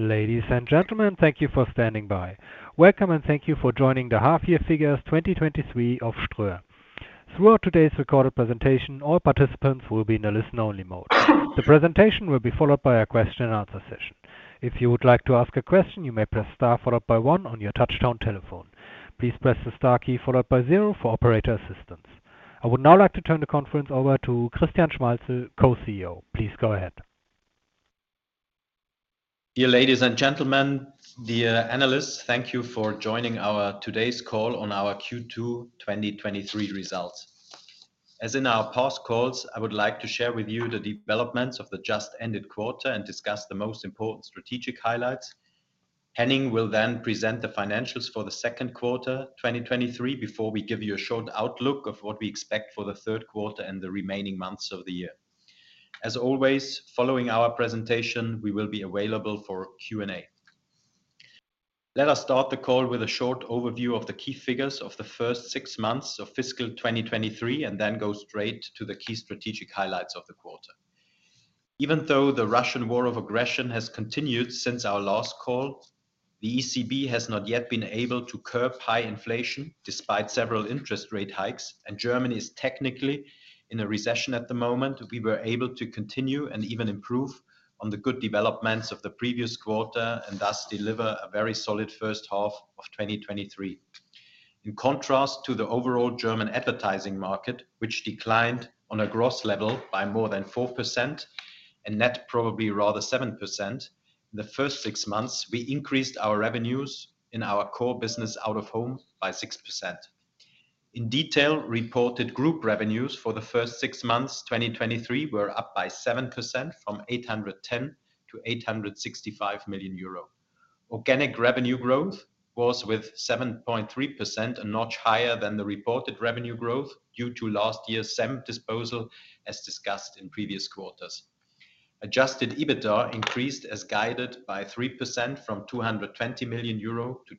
Ladies and gentlemen, thank you for standing by. Welcome, and thank you for joining the Half-Year Figures 2023 of Ströer. Throughout today's recorded presentation, all participants will be in a listen-only mode. The presentation will be followed by a question and answer session. If you would like to ask a question, you may press star followed by one on your touchtone telephone. Please press the star key followed by zero for operator assistance. I would now like to turn the conference over to Christian Schmalzl, Co-CEO. Please go ahead. Dear ladies and gentlemen, dear analysts, thank you for joining today's call on our Q2 2023 results. As in our past calls, I would like to share with you the developments of the just ended quarter and discuss the most important strategic highlights. Henning will present the financials for the second quarter, 2023, before we give you a short outlook of what we expect for the third quarter and the remaining months of the year. As always, following our presentation, we will be available for Q&A. Let us start the call with a short overview of the key figures of the first six months of fiscal 2023, then go straight to the key strategic highlights of the quarter. Even though the Russian war of aggression has continued since our last call, the ECB has not yet been able to curb high inflation despite several interest rate hikes, Germany is technically in a recession at the moment, we were able to continue and even improve on the good developments of the previous quarter, and thus deliver a very solid first half of 2023. In contrast to the overall German advertising market, which declined on a gross level by more than 4% and net probably rather 7%, in the first six months, we increased our revenues in our core business out-of-home by 6%. In detail, reported group revenues for the first six months, 2023, were up by 7% from 810 million to 865 million euro. Organic revenue growth was, with 7.3%, a notch higher than the reported revenue growth due to last year's SEM disposal, as discussed in previous quarters. Adjusted EBITDA increased as guided by 3% from 220 million euro to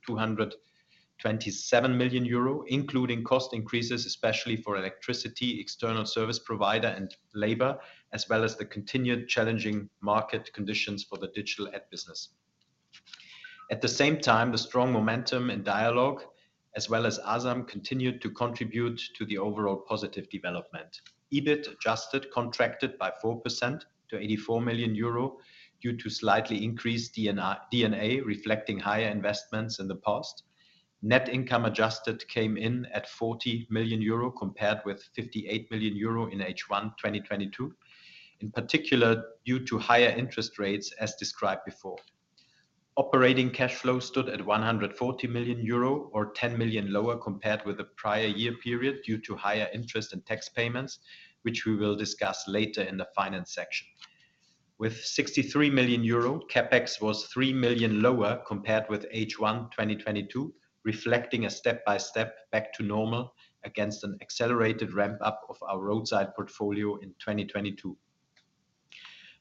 227 million euro, including cost increases, especially for electricity, external service providers, and labor, as well as the continued challenging market conditions for the digital ad business. At the same time, the strong momentum and dialog, as well as Asam, continued to contribute to the overall positive development. EBIT adjusted contracted by 4% to 84 million euro due to slightly increased D&A, reflecting higher investments in the past. Net income adjusted came in at 40 million euro, compared with 58 million euro in H1 2022, in particular due to higher interest rates, as described before. Operating cash flow stood at 140 million euro or 10 million lower compared with the prior year period due to higher interest and tax payments, which we will discuss later in the finance section. With 63 million euro, CapEx was 3 million lower compared with H1 2022, reflecting a step-by-step back to normal against an accelerated ramp-up of our roadside portfolio in 2022.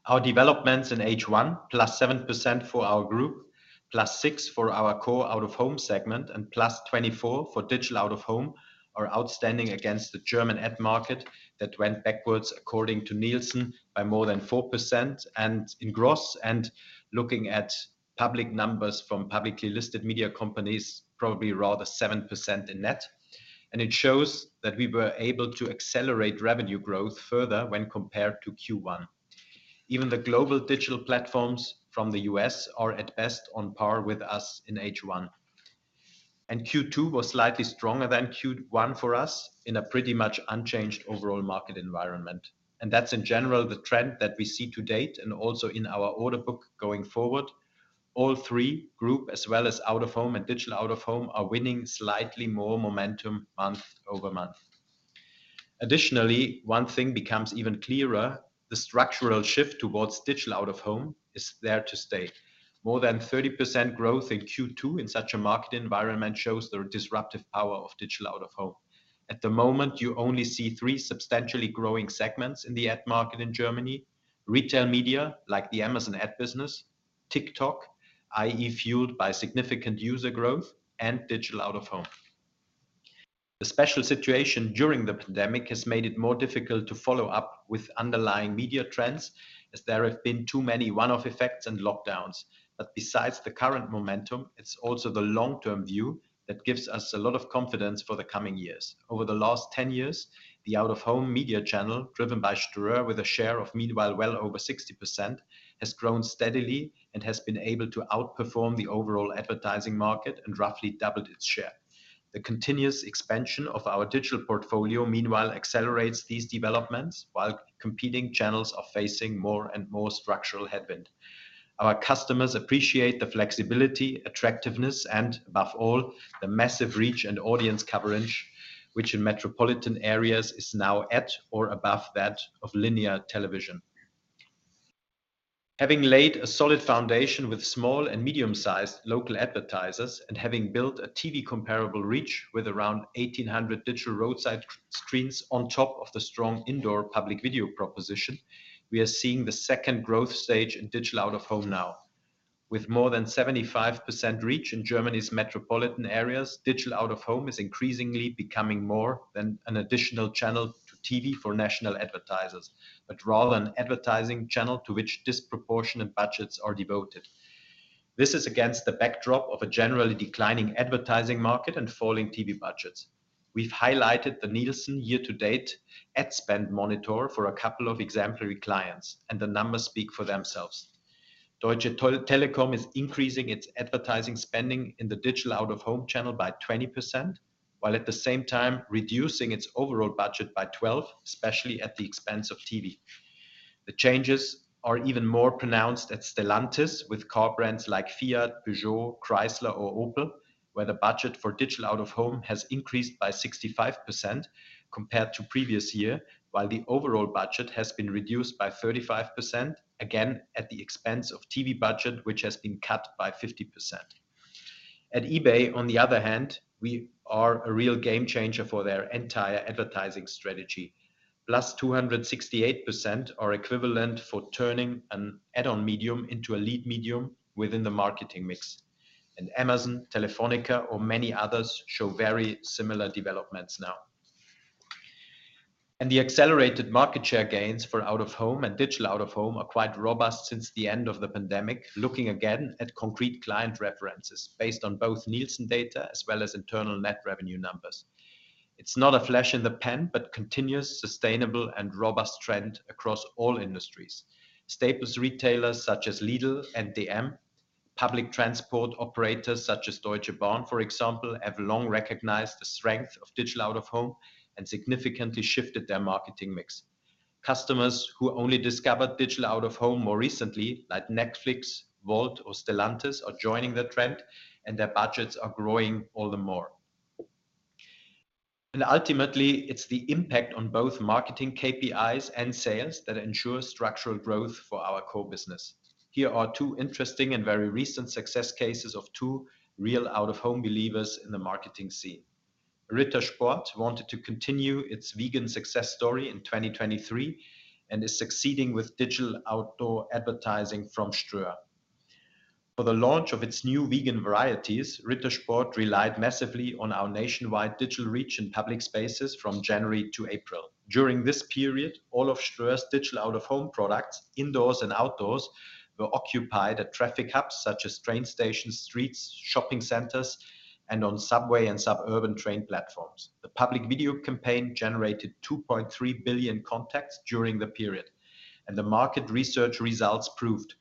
Our developments in H1, +7% for our group, +6% for our core out-of-home segment, and +24% for digital out-of-home, are outstanding against the German ad market that went backwards, according to Nielsen, by more than 4% and in gross, and looking at public numbers from publicly listed media companies, probably rather 7% in net. It shows that we were able to accelerate revenue growth further when compared to Q1. Even the global digital platforms from the U.S. are at best on par with us in H1. Q2 was slightly stronger than Q1 for us in a pretty much unchanged overall market environment. That's in general the trend that we see to date and also in our order book going forward. All three groups, as well as out-of-home and digital out-of-home, are winning slightly more momentum month-over-month. Additionally, one thing becomes even clearer: the structural shift towards digital out-of-home is there to stay. More than 30% growth in Q2 in such a market environment shows the disruptive power of digital out-of-home. At the moment, you only see three substantially growing segments in the ad market in Germany: retail media, like the Amazon Ads business, TikTok, i.e., fueled by significant user growth, and digital out-of-home. The special situation during the pandemic has made it more difficult to follow up with underlying media trends, as there have been too many one-off effects and lockdowns. Besides the current momentum, it's also the long-term view that gives us a lot of confidence for the coming years. Over the last 10 years, the out-of-home media channel, driven by Ströer, with a share of meanwhile well over 60%, has grown steadily and has been able to outperform the overall advertising market and roughly doubled its share. The continuous expansion of our digital portfolio, meanwhile, accelerates these developments, while competing channels are facing more and more structural headwind. Our customers appreciate the flexibility, attractiveness, and above all, the massive reach and audience coverage, which in metropolitan areas is now at or above that of linear television. Having laid a solid foundation with small and medium-sized local advertisers and having built a TV comparable reach with around 1,800 digital roadside screens on top of the strong indoor public video proposition, we are seeing the second growth stage in digital out-of-home now. With more than 75% reach in Germany's metropolitan areas, digital out-of-home is increasingly becoming more than an additional channel to TV for national advertisers, but rather an advertising channel to which disproportionate budgets are devoted. This is against the backdrop of a generally declining advertising market and falling TV budgets. We've highlighted the Nielsen year-to-date ad spend monitor for a couple of exemplary clients. The numbers speak for themselves. Deutsche Telekom is increasing its advertising spending in the digital out-of-home channel by 20%, while at the same time reducing its overall budget by 12, especially at the expense of TV. The changes are even more pronounced at Stellantis, with car brands like Fiat, Peugeot, Chrysler, or Opel, where the budget for digital out-of-home has increased by 65% compared to previous year, while the overall budget has been reduced by 35%, again, at the expense of TV budget, which has been cut by 50%. At eBay, on the other hand, we are a real game changer for their entire advertising strategy. Plus 268% are equivalent for turning an add-on medium into a lead medium within the marketing mix. Amazon, Telefónica, or many others show very similar developments now. The accelerated market share gains for out-of-home and digital out-of-home are quite robust since the end of the pandemic, looking again at concrete client references based on both Nielsen data as well as internal net revenue numbers. It's not a flash in the pan, but continuous, sustainable, and robust trend across all industries. Staple retailers such as Lidl and dm, public transport operators such as Deutsche Bahn, for example, have long recognized the strength of digital out-of-home and significantly shifted their marketing mix. Customers who only discovered digital out-of-home more recently, like Netflix, Wolt or Stellantis, are joining the trend, and their budgets are growing all the more. Ultimately, it's the impact on both marketing KPIs and sales that ensure structural growth for our core business. Here are two interesting and very recent success cases of two real out-of-home believers in the marketing scene. Ritter Sport wanted to continue its vegan success story in 2023, and is succeeding with digital outdoor advertising from Ströer. For the launch of its new vegan varieties, Ritter Sport relied massively on our nationwide digital reach in public spaces from January to April. During this period, all of Ströer's digital out-of-home products, indoors and outdoors, were occupied at traffic hubs such as train stations, streets, shopping centers, and on subway and suburban train platforms. The public video campaign generated 2.3 billion contacts during the period, and the market research results proved.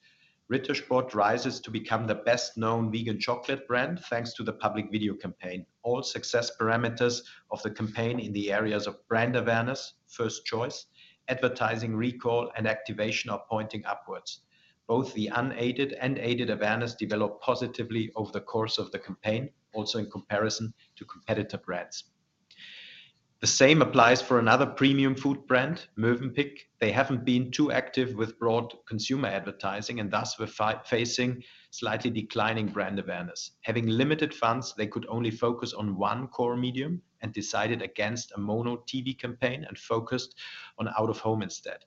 Ritter Sport rises to become the best-known vegan chocolate brand, thanks to the public video campaign. All success parameters of the campaign in the areas of brand awareness, first choice, advertising, recall, and activation are pointing upwards. Both the unaided and aided awareness developed positively over the course of the campaign, also in comparison to competitor brands. The same applies for another premium food brand, Mövenpick. They haven't been too active with broad consumer advertising and thus were facing slightly declining brand awareness. Having limited funds, they could only focus on one core medium and decided against a mono TV campaign and focused on out-of-home instead.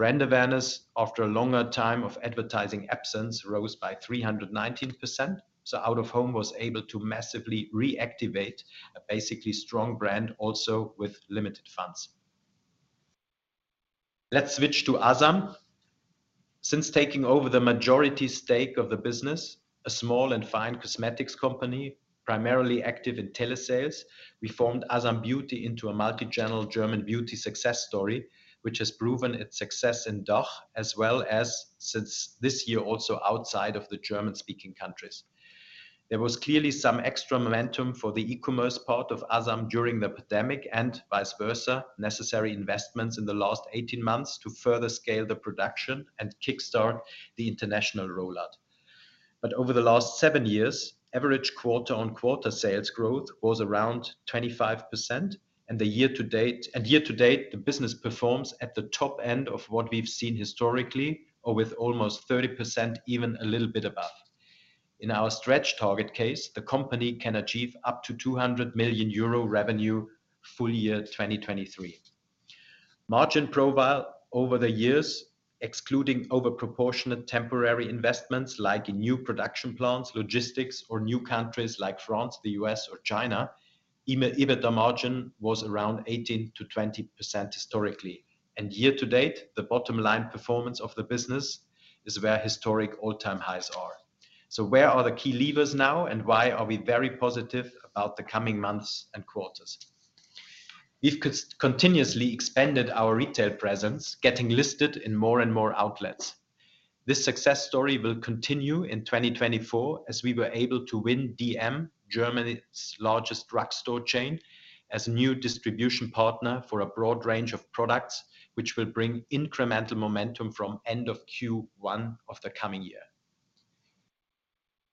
Brand awareness, after a longer time of advertising absence, rose by 319%. Out-of-home was able to massively reactivate a basically strong brand, also with limited funds. Let's switch to Asam. Since taking over the majority stake of the business, a small and fine cosmetics company, primarily active in telesales, we formed Asam Beauty into a multi-channel German beauty success story, which has proven its success in DOOH, as well as since this year, also outside of the German-speaking countries. There was clearly some extra momentum for the e-commerce part of Asam during the pandemic, and vice versa, necessary investments in the last 18 months to further scale the production and kickstart the international rollout. Over the last seven years, average quarter-on-quarter sales growth was around 25%, and year to date, the business performs at the top end of what we've seen historically, or with almost 30%, even a little bit above. In our stretch target case, the company can achieve up to 200 million euro revenue, full year 2023. Margin profile over the years, excluding overproportionate temporary investments like new production plants, logistics, or new countries like France, the U.S., or China, EBITDA margin was around 18%-20% historically, and year to date, the bottom line performance of the business is where historic all-time highs are. Where are the key levers now, and why are we very positive about the coming months and quarters? We've continuously expanded our retail presence, getting listed in more and more outlets. This success story will continue in 2024, as we were able to win dm, Germany's largest drugstore chain, as a new distribution partner for a broad range of products, which will bring incremental momentum from end of Q1 of the coming year.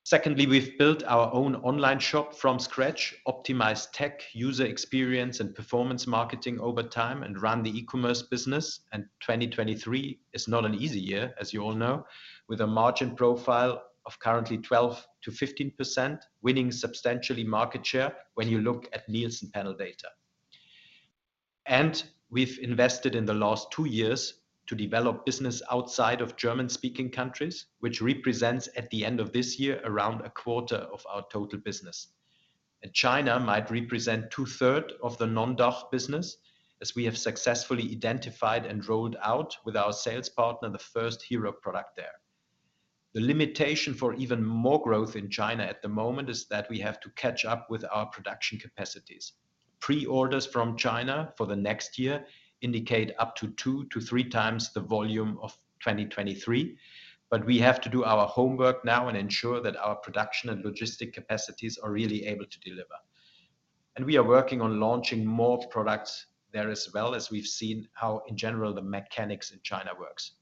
Secondly, we've built our own online shop from scratch, optimized tech, user experience, and performance marketing over time, and run the e-commerce business. 2023 is not an easy year, as you all know, with a margin profile of currently 12%-15%, winning substantially market share when you look at Nielsen panel data. We've invested in the last two years to develop business outside of German-speaking countries, which represents, at the end of this year, around a quarter of our total business. China might represent two-thirds of the non-DOOH business, as we have successfully identified and rolled out with our sales partner, the first hero product there. The limitation for even more growth in China at the moment, is that we have to catch up with our production capacities. Pre-orders from China for the next year indicate up to two to three times the volume of 2023, but we have to do our homework now and ensure that our production and logistics capacities are really able to deliver. We are working on launching more products there as well as we've seen how, in general, the mechanics in China works.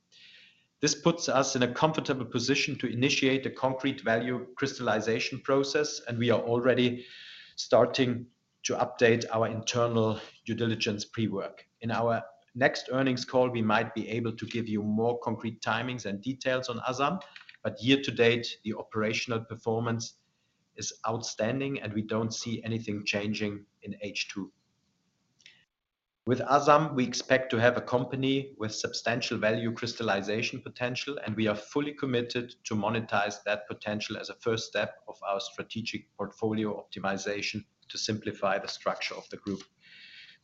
This puts us in a comfortable position to initiate the concrete value crystallization process. We are already starting to update our internal due diligence pre-work. In our next earnings call, we might be able to give you more concrete timings and details on Asam. Year to date, the operational performance is outstanding, and we don't see anything changing in H2. With Asam, we expect to have a company with substantial value crystallization potential. We are fully committed to monetize that potential as a first step of our strategic portfolio optimization to simplify the structure of the group.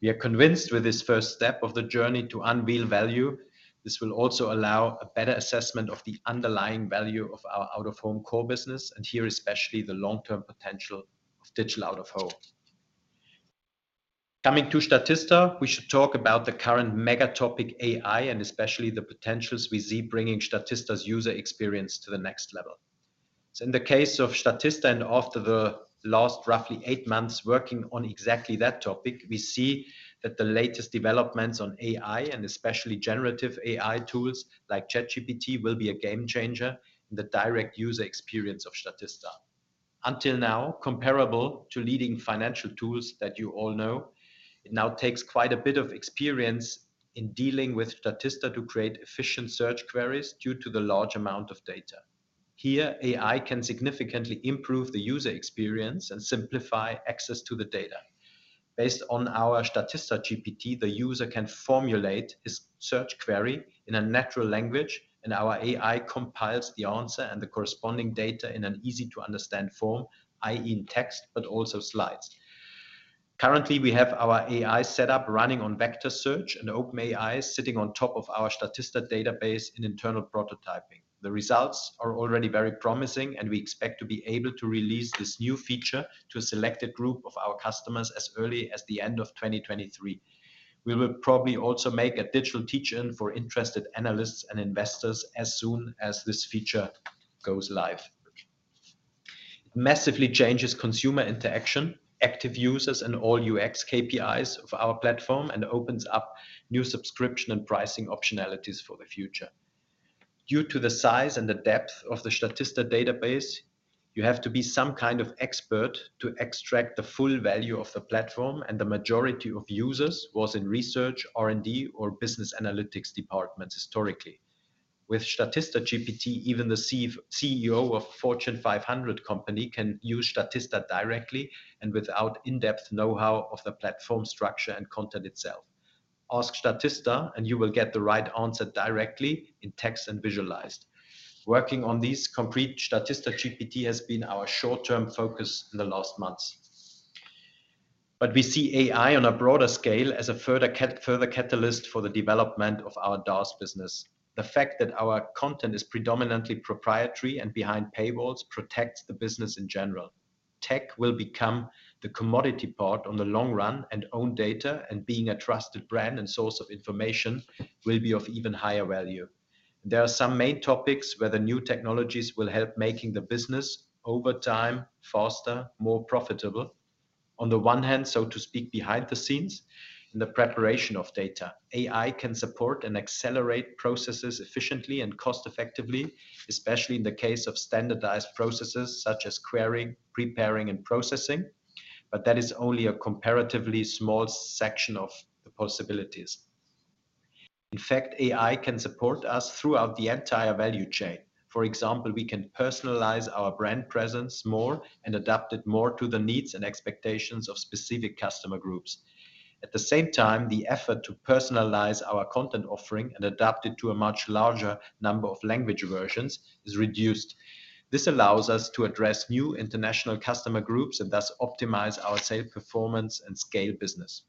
We are convinced with this first step of the journey to unveil value. This will also allow a better assessment of the underlying value of our out-of-home core business. Here, especially the long-term potential of digital out-of-home. Coming to Statista, we should talk about the current mega topic, AI, and especially the potentials we see bringing Statista's user experience to the next level. In the case of Statista, and after the last roughly eight months working on exactly that topic, we see that the latest developments on AI, and especially generative AI tools like ChatGPT, will be a game changer in the direct user experience of Statista. Until now, comparable to leading financial tools that you all know, it now takes quite a bit of experience in dealing with Statista to create efficient search queries due to the large amount of data. Here, AI can significantly improve the user experience and simplify access to the data. Based on our Statista GPT, the user can formulate his search query in a natural language, and our AI compiles the answer and the corresponding data in an easy-to-understand form, i.e., in text, but also slides. Currently, we have our AI set up running on vector search, and OpenAI is sitting on top of our Statista database in internal prototyping. The results are already very promising, and we expect to be able to release this new feature to a selected group of our customers as early as the end of 2023. We will probably also make a digital teach-in for interested analysts and investors as soon as this feature goes live. Massively changes consumer interaction, active users, and all UX KPIs of our platform, and opens up new subscription and pricing optionalities for the future. Due to the size and the depth of the Statista database, you have to be some kind of expert to extract the full value of the platform, and the majority of users was in research, R&D, or business analytics departments historically. With Statista GPT, even the CEO of Fortune 500 companies can use Statista directly and without in-depth know-how of the platform structure and content itself. Ask Statista, and you will get the right answer directly in text and visualized. Working on this concrete Statista GPT has been our short-term focus in the last months. We see AI on a broader scale as a further catalyst for the development of our DOOH business. The fact that our content is predominantly proprietary and behind paywalls protects the business in general. Tech will become the commodity part on the long run, and own data and being a trusted brand and source of information will be of even higher value. There are some main topics where the new technologies will help making the business, over time, faster, more profitable. On the one hand, so to speak, behind the scenes in the preparation of data, AI can support and accelerate processes efficiently and cost-effectively, especially in the case of standardized processes such as querying, preparing, and processing. That is only a comparatively small section of the possibilities. In fact, AI can support us throughout the entire value chain. For example, we can personalize our brand presence more and adapt it more to the needs and expectations of specific customer groups. At the same time, the effort to personalize our content offering and adapt it to a much larger number of language versions is reduced. This allows us to address new international customer groups and thus optimize our sales performance and scale business.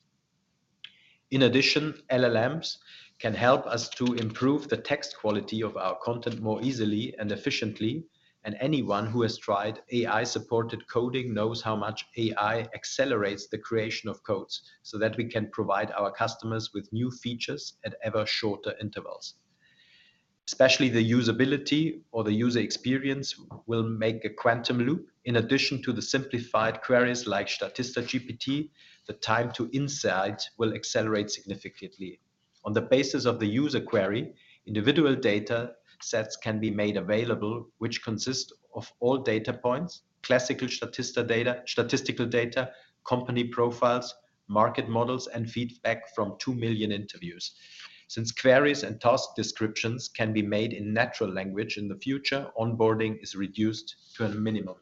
In addition, LLMs can help us to improve the text quality of our content more easily and efficiently, and anyone who has tried AI-supported coding knows how much AI accelerates the creation of codes, so that we can provide our customers with new features at ever shorter intervals. Especially the usability or the user experience will make a quantum loop. In addition to the simplified queries like Statista GPT, the time to insight will accelerate significantly. On the basis of the user query, individual data sets can be made available, which consist of all data points, classical Statista data, statistical data, company profiles, market models, and feedback from 2 million interviews. Since queries and task descriptions can be made in natural language in the future, onboarding is reduced to a minimum.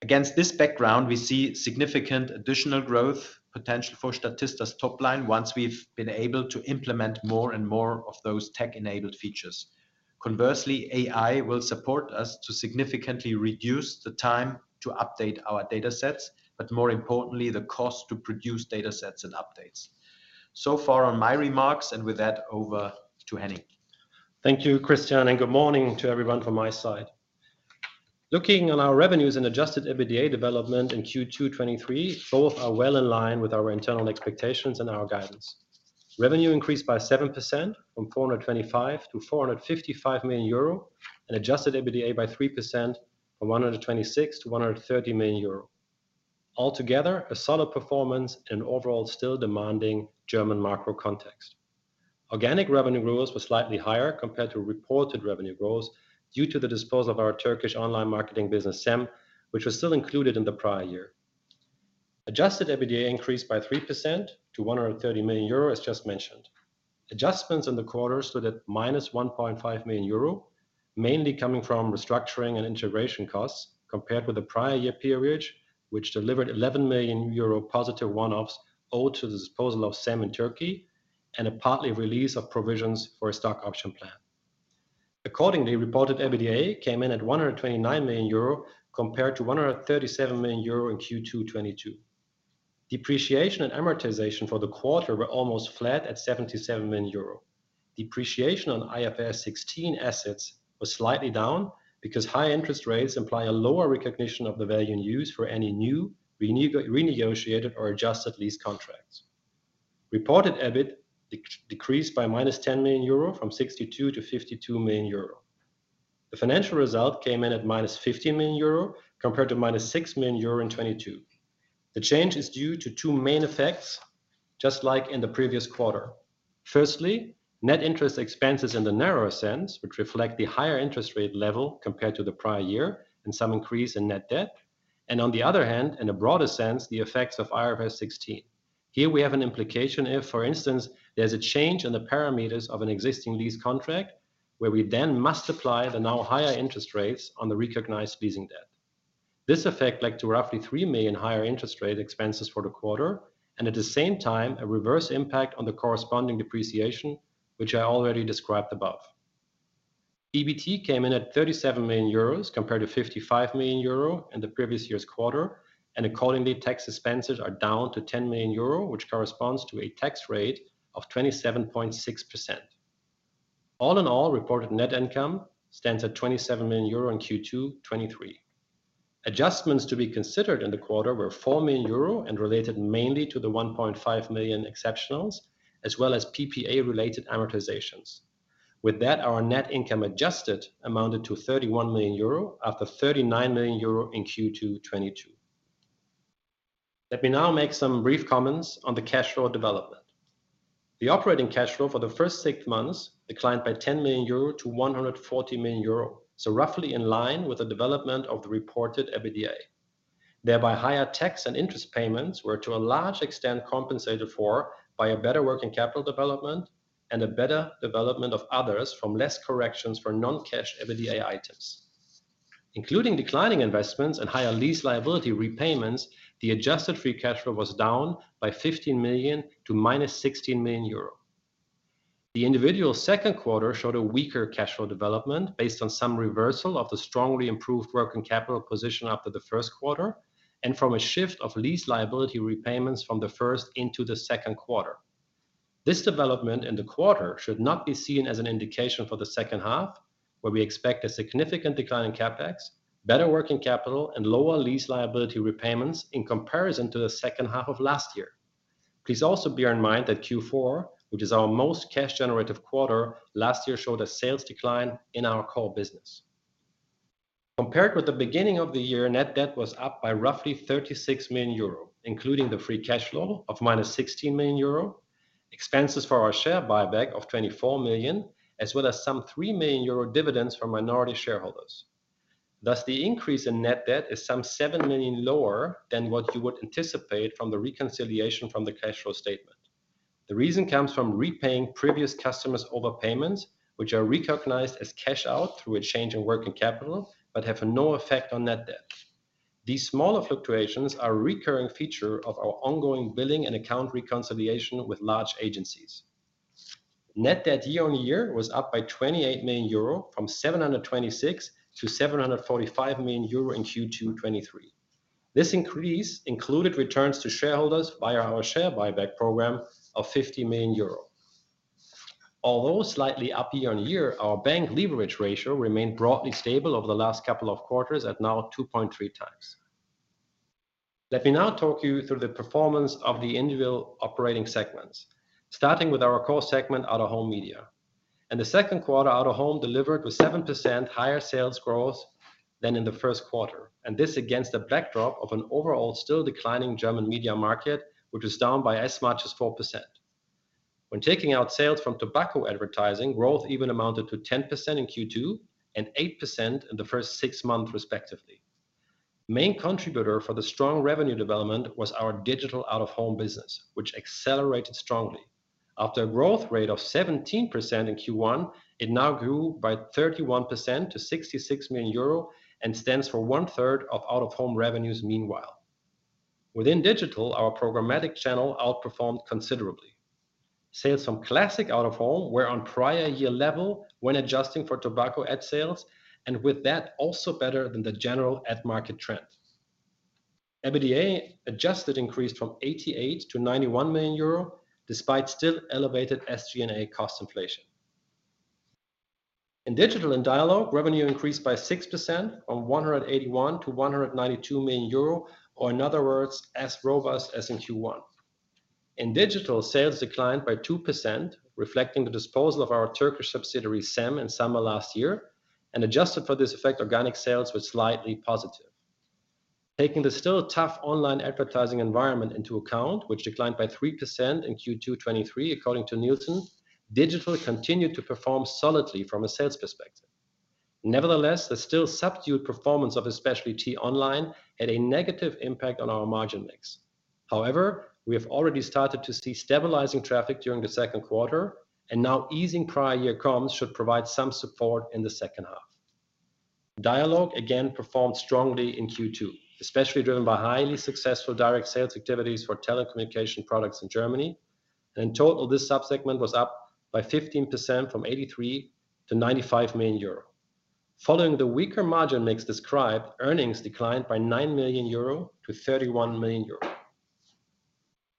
Against this background, we see significant additional growth potential for Statista's top line once we've been able to implement more and more of those tech-enabled features. Conversely, AI will support us to significantly reduce the time to update our data sets, but more importantly, the cost to produce data sets and updates. So far on my remarks. With that, over to Henning. Thank you, Christian, and good morning to everyone from my side. Looking at our revenues and adjusted EBITDA development in Q2 2023, both are well in line with our internal expectations and our guidance. Revenue increased by 7%, from 425 to 455 million euro, and adjusted EBITDA by 3% from 126 to 130 million euro. Altogether, a solid performance in an overall still demanding German macro context. Organic revenue growth was slightly higher compared to reported revenue growth due to the disposal of our Turkish online marketing business, SEM, which was still included in the prior year. Adjusted EBITDA increased by 3% to 130 million euro, as just mentioned. Adjustments in the quarter stood at -1.5 million euro, mainly coming from restructuring and integration costs, compared with the prior year period, which delivered 11 million euro positive one-offs owed to the disposal of SEM in Turkey and a partly release of provisions for a stock option plan. Accordingly, reported EBITDA came in at 129 million euro, compared to 137 million euro in Q2 '22. Depreciation and amortization for the quarter were almost flat at 77 million euro. Depreciation on IFRS 16 assets was slightly down because higher interest rates imply a lower recognition of the value in use for any new, renegotiated or adjusted lease contracts. Reported EBIT decreased by -10 million euro from 62 million-52 million euro. The financial result came in at -50 million euro, compared to -6 million euro in 2022. The change is due to two main effects, just like in the previous quarter. Firstly, net interest expenses in the narrower sense, which reflect the higher interest rate level compared to the prior year and some increase in net debt, and on the other hand, in a broader sense, the effects of IFRS 16. Here we have an implication if, for instance, there's a change in the parameters of an existing lease contract, where we then must apply the now higher interest rates on the recognized leasing debt. This effect led to roughly 3 million higher interest rate expenses for the quarter and, at the same time, a reverse impact on the corresponding depreciation, which I already described above. EBT came in at 37 million euros, compared to 55 million euro in the previous year's quarter. Accordingly, tax expenses are down to 10 million euro, which corresponds to a tax rate of 27.6%. All in all, reported net income stands at 27 million euro in Q2 2023. Adjustments to be considered in the quarter were 4 million euro and related mainly to the 1.5 million exceptionals, as well as PPA-related amortizations. With that, our net income adjusted amounted to 31 million euro, after 39 million euro in Q2 2022. Let me now make some brief comments on the cash flow development. The operating cash flow for the first six months declined by 10 million euro to 140 million euro, roughly in line with the development of the reported EBITDA. Thereby, higher tax and interest payments were, to a large extent, compensated for by a better working capital development and a better development of others from less corrections for non-cash EBITDA items. Including declining investments and higher lease liability repayments, the adjusted free cash flow was down by 15 million to minus 16 million euro. The individual second quarter showed a weaker cash flow development based on some reversal of the strongly improved working capital position after the first quarter and from a shift of lease liability repayments from the first into the second quarter. This development in the quarter should not be seen as an indication for the second half, where we expect a significant decline in CapEx, better working capital, and lower lease liability repayments in comparison to the second half of last year. Please also bear in mind that Q4, which is our most cash-generative quarter, last year showed a sales decline in our core business. Compared with the beginning of the year, net debt was up by roughly 36 million euro, including the free cash flow of minus 16 million euro, expenses for our share buyback of 24 million, as well as some 3 million euro dividends from minority shareholders. The increase in net debt is some 7 million lower than what you would anticipate from the reconciliation from the cash flow statement. The reason comes from repaying previous customers' overpayments, which are recognized as cash out through a change in working capital but have no effect on net debt. These smaller fluctuations are a recurring feature of our ongoing billing and account reconciliation with large agencies. Net debt year-on-year was up by 28 million euro, from 726 million to 745 million euro in Q2 2023. This increase included returns to shareholders via our share buyback program of 50 million euro. Although slightly up year-on-year, our bank leverage ratio remained broadly stable over the last couple of quarters at now 2.3x. Let me now talk you through the performance of the individual operating segments, starting with our core segment, Out-of-Home Media. In the second quarter, Out-of-Home delivered with 7% higher sales growth than in the first quarter. This against a backdrop of an overall still declining German media market, which is down by as much as 4%. When taking out sales from tobacco, advertising growth even amounted to 10% in Q2 and 8% in the first six months, respectively. Main contributor for the strong revenue development was our digital out-of-home business, which accelerated strongly. After a growth rate of 17% in Q1, it now grew by 31% to 66 million euro and stands for one-third of out-of-home revenues meanwhile. Within digital, our programmatic channel outperformed considerably. Sales from classic out-of-home were on prior year level when adjusting for tobacco ad sales, and with that, also better than the general ad market trend. EBITDA adjusted increased from 88 million to 91 million euro, despite still elevated SG&A cost inflation. In Digital and Dialogue, revenue increased by 6% from 181 million to 192 million euro, or in other words, as robust as in Q1. In digital, sales declined by 2%, reflecting the disposal of our Turkish subsidiary, SEM, in summer last year. Adjusted for this effect, organic sales were slightly positive. Taking the still tough online advertising environment into account, which declined by 3% in Q2 '23, according to Nielsen, digital continued to perform solidly from a sales perspective. Nevertheless, the still subdued performance of the specialty online had a negative impact on our margin mix. However, we have already started to see stabilizing traffic during the second quarter, and now easing prior year comps should provide some support in the second half. Dialogue, again, performed strongly in Q2, especially driven by highly successful direct sales activities for telecommunication products in Germany. In total, this sub-segment was up by 15% from 83 million to 95 million euro. Following the weaker margin mix described, earnings declined by 9 million euro to 31 million euro.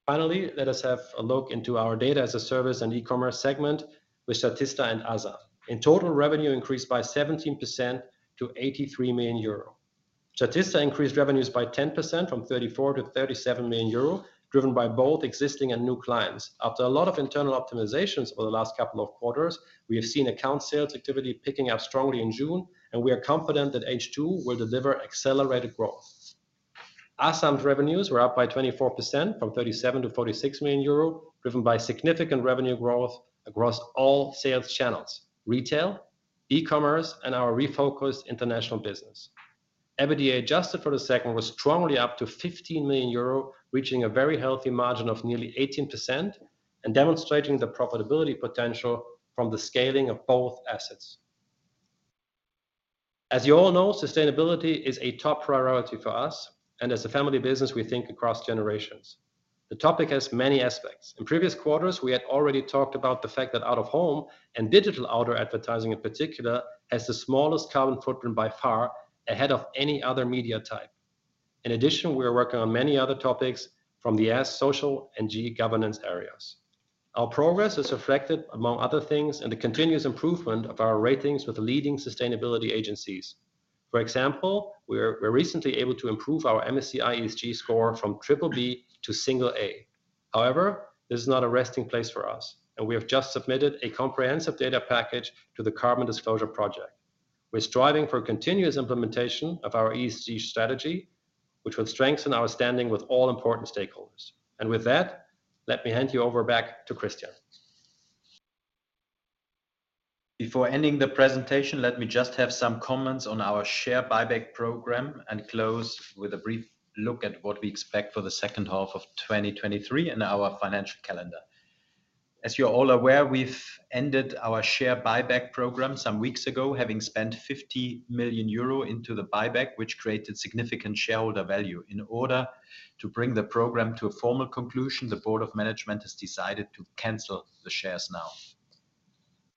Finally, let us have a look into our Data-as-a-Service and e-commerce segment with Statista and Asam. In total, revenue increased by 17% to 83 million euro. Statista increased revenues by 10% from 34 million-37 million euro, driven by both existing and new clients. After a lot of internal optimizations over the last couple of quarters, we have seen account sales activity picking up strongly in June, and we are confident that H2 will deliver accelerated growth. Asam's revenues were up by 24% from 37 million-46 million euro, driven by significant revenue growth across all sales channels: retail, e-commerce, and our refocused international business. EBITDA, adjusted for Q2, was strongly up to 15 million euro, reaching a very healthy margin of nearly 18% and demonstrating the profitability potential from the scaling of both assets. As you all know, sustainability is a top priority for us, and as a family business, we think across generations. The topic has many aspects. In previous quarters, we had already talked about the fact that out-of-home and digital oudoor advertising, in particular, has the smallest carbon footprint by far, ahead of any other media type. In addition, we are working on many other topics from the S, social, and G, governance areas. Our progress is reflected, among other things, in the continuous improvement of our ratings with leading sustainability agencies. For example, we were recently able to improve our MSCI ESG score from BBB to A. However, this is not a resting place for us, and we have just submitted a comprehensive data package to the Carbon Disclosure Project. We're striving for continuous implementation of our ESG strategy, which will strengthen our standing with all important stakeholders. With that, let me hand you over back to Christian. Before ending the presentation, let me just have some comments on our share buyback program and close with a brief look at what we expect for the second half of 2023 and our financial calendar. As you're all aware, we've ended our share buyback program some weeks ago, having spent 50 million euro into the buyback, which created significant shareholder value. In order to bring the program to a formal conclusion, the board of management has decided to cancel the shares now.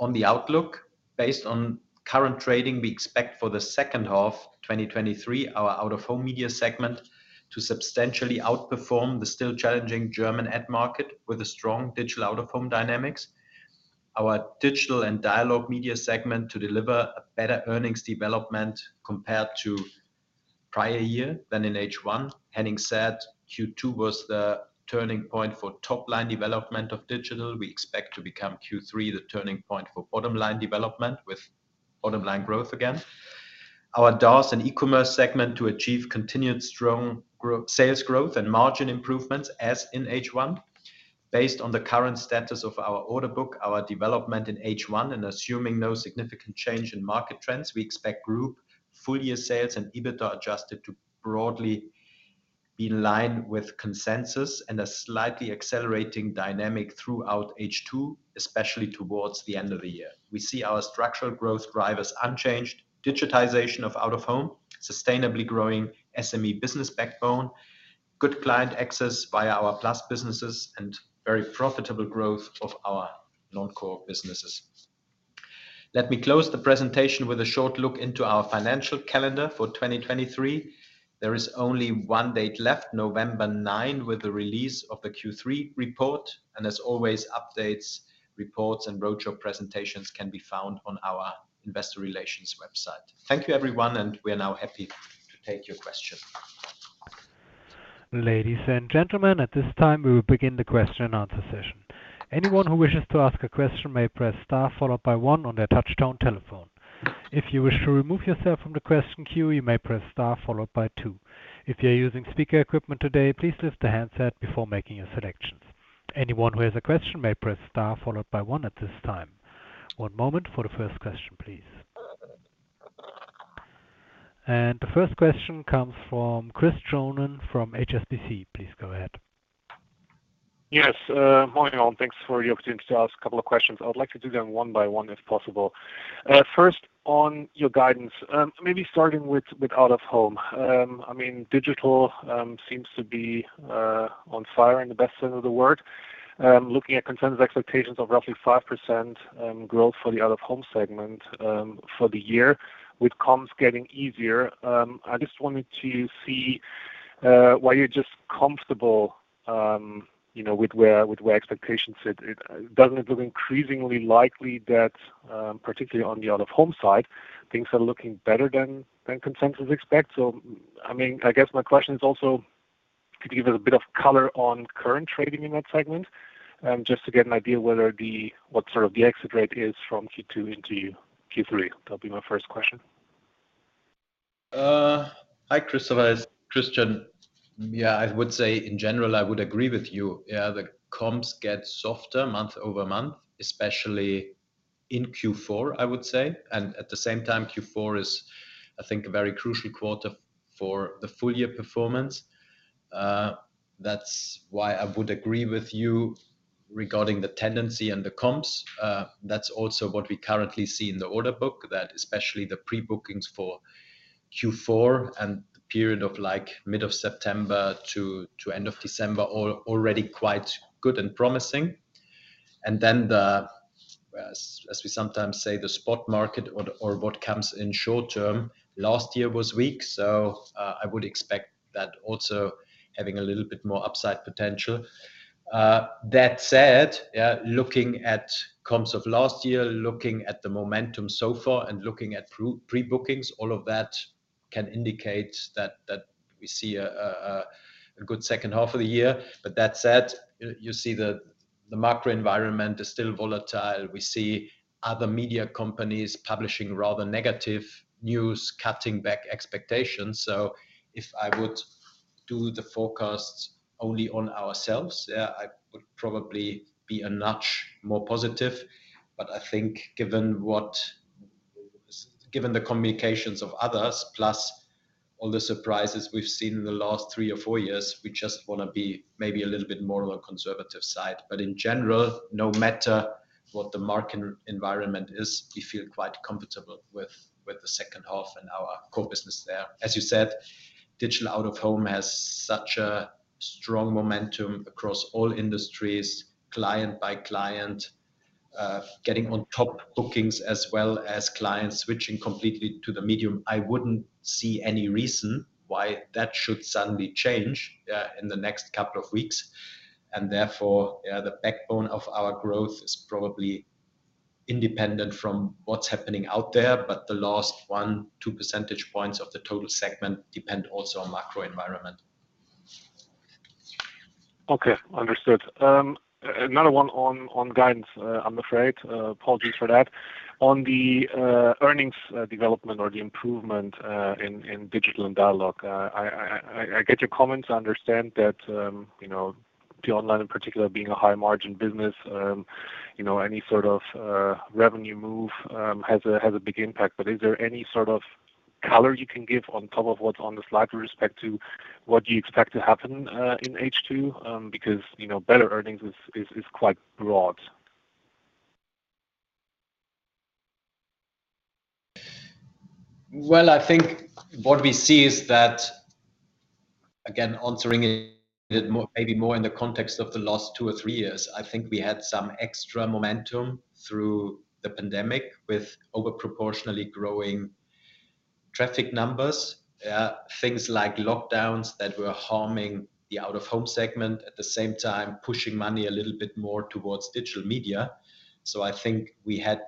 On the outlook, based on current trading, we expect for the second half of 2023, our out-of-home media segment to substantially outperform the still challenging German ad market with a strong digital out-of-home dynamics. Our Digital and Dialogue Media segment to deliver a better earnings development compared to prior year than in H1. Having said, Q2 was the turning point for top-line development of digital. We expect to become Q3, the turning point for bottom line development, with bottom line growth again. Our DaaS and e-commerce segment to achieve continued strong sales growth and margin improvements as in H1. Based on the current status of our order book, our development in H1, and assuming no significant change in market trends, we expect group full-year sales and EBITDA adjusted to broadly be in line with consensus and a slightly accelerating dynamic throughout H2, especially towards the end of the year. We see our structural growth drivers unchanged, digitization of out-of-home, sustainably growing SME business backbone, good client access via our plus businesses, and very profitable growth of our non-core businesses. Let me close the presentation with a short look into our financial calendar for 2023. There is only one date left, November 9, with the release of the Q3 report. As always, updates, reports, and roadshow presentations can be found on our investor relations website. Thank you, everyone, and we are now happy to take your questions. Ladies and gentlemen, at this time, we will begin the question and answer session. Anyone who wishes to ask a question may press star followed by one on their touchtone telephone. If you wish to remove yourself from the question queue, you may press star followed by two. If you're using speaker equipment today, please lift the handset before making your selections. Anyone who has a question may press star followed by one at this time. One moment for the first question, please. The first question comes from Christopher Johnen from HSBC. Please go ahead. Yes, morning all, and thanks for the opportunity to ask a couple of questions. I would like to do them one by one, if possible. First, on your guidance, maybe starting with, with out-of-home. I mean, digital, seems to be on fire, in the best sense of the word. Looking at consensus expectations of roughly 5%, growth for the out-of-home segment, for the year, with comps getting easier. I just wanted to see, why you're just comfortable, you know, with where, with where expectations sit. It doesn't it look increasingly likely that, particularly on the out-of-home side, things are looking better than, than consensus expects? I mean, I guess my question is also, could you give us a bit of color on current trading in that segment? Just to get an idea whether the, what sort of the exit rate is from Q2 into Q3. That'll be my first question. Hi, Christopher, it's Christian. Yeah, I would say in general, I would agree with you. Yeah, the comps get softer month-over-month, especially in Q4, I would say, and at the same time, Q4 is, I think, a very crucial quarter for the full year performance. That's why I would agree with you regarding the tendency and the comps. That's also what we currently see in the order book, that especially the pre-bookings for Q4 and the period of, like, mid of September to end of December, already quite good and promising. Then the, as we sometimes say, the spot market or what comes in short term, last year was weak, so, I would expect that also having a little bit more upside potential. That said, looking at comps of last year, looking at the momentum so far, and looking at pre-bookings, all of that can indicate that we see a good second half of the year. That said, you see the, the macro environment is still volatile. We see other media companies publishing rather negative news, cutting back expectations. If I would do the forecasts only on ourselves, I would probably be a notch more positive. I think, given what, given the communications of others, plus all the surprises we've seen in the last three or four years, we just wanna be maybe a little bit more on the conservative side. In general, no matter what the market environment is, we feel quite comfortable with, with the second half and our core business there. As you said, digital out-of-home has such a strong momentum across all industries, client by client, getting on top bookings, as well as clients switching completely to the medium. I wouldn't see any reason why that should suddenly change, in the next couple of weeks, therefore, the backbone of our growth is probably independent from what's happening out there, but the last one, two percentage points of the total segment depend also on macro environment. Okay, understood. Another one on, on guidance, I'm afraid, apologies for that. On the earnings development or the improvement in Digital and Dialogue, I get your comments. I understand that, you know, the online in particular being a high-margin business, you know, any sort of revenue move has a big impact. Is there any sort of color you can give on top of what's on the slide with respect to what you expect to happen in H2? Because, you know, better earnings is quite broad. Well, I think what we see is that, again, answering it more, maybe more in the context of the last two or three years, I think we had some extra momentum through the pandemic with over proportionally growing traffic numbers. Things like lockdowns that were harming the out-of-home segment, at the same time, pushing money a little bit more towards digital media. I think we had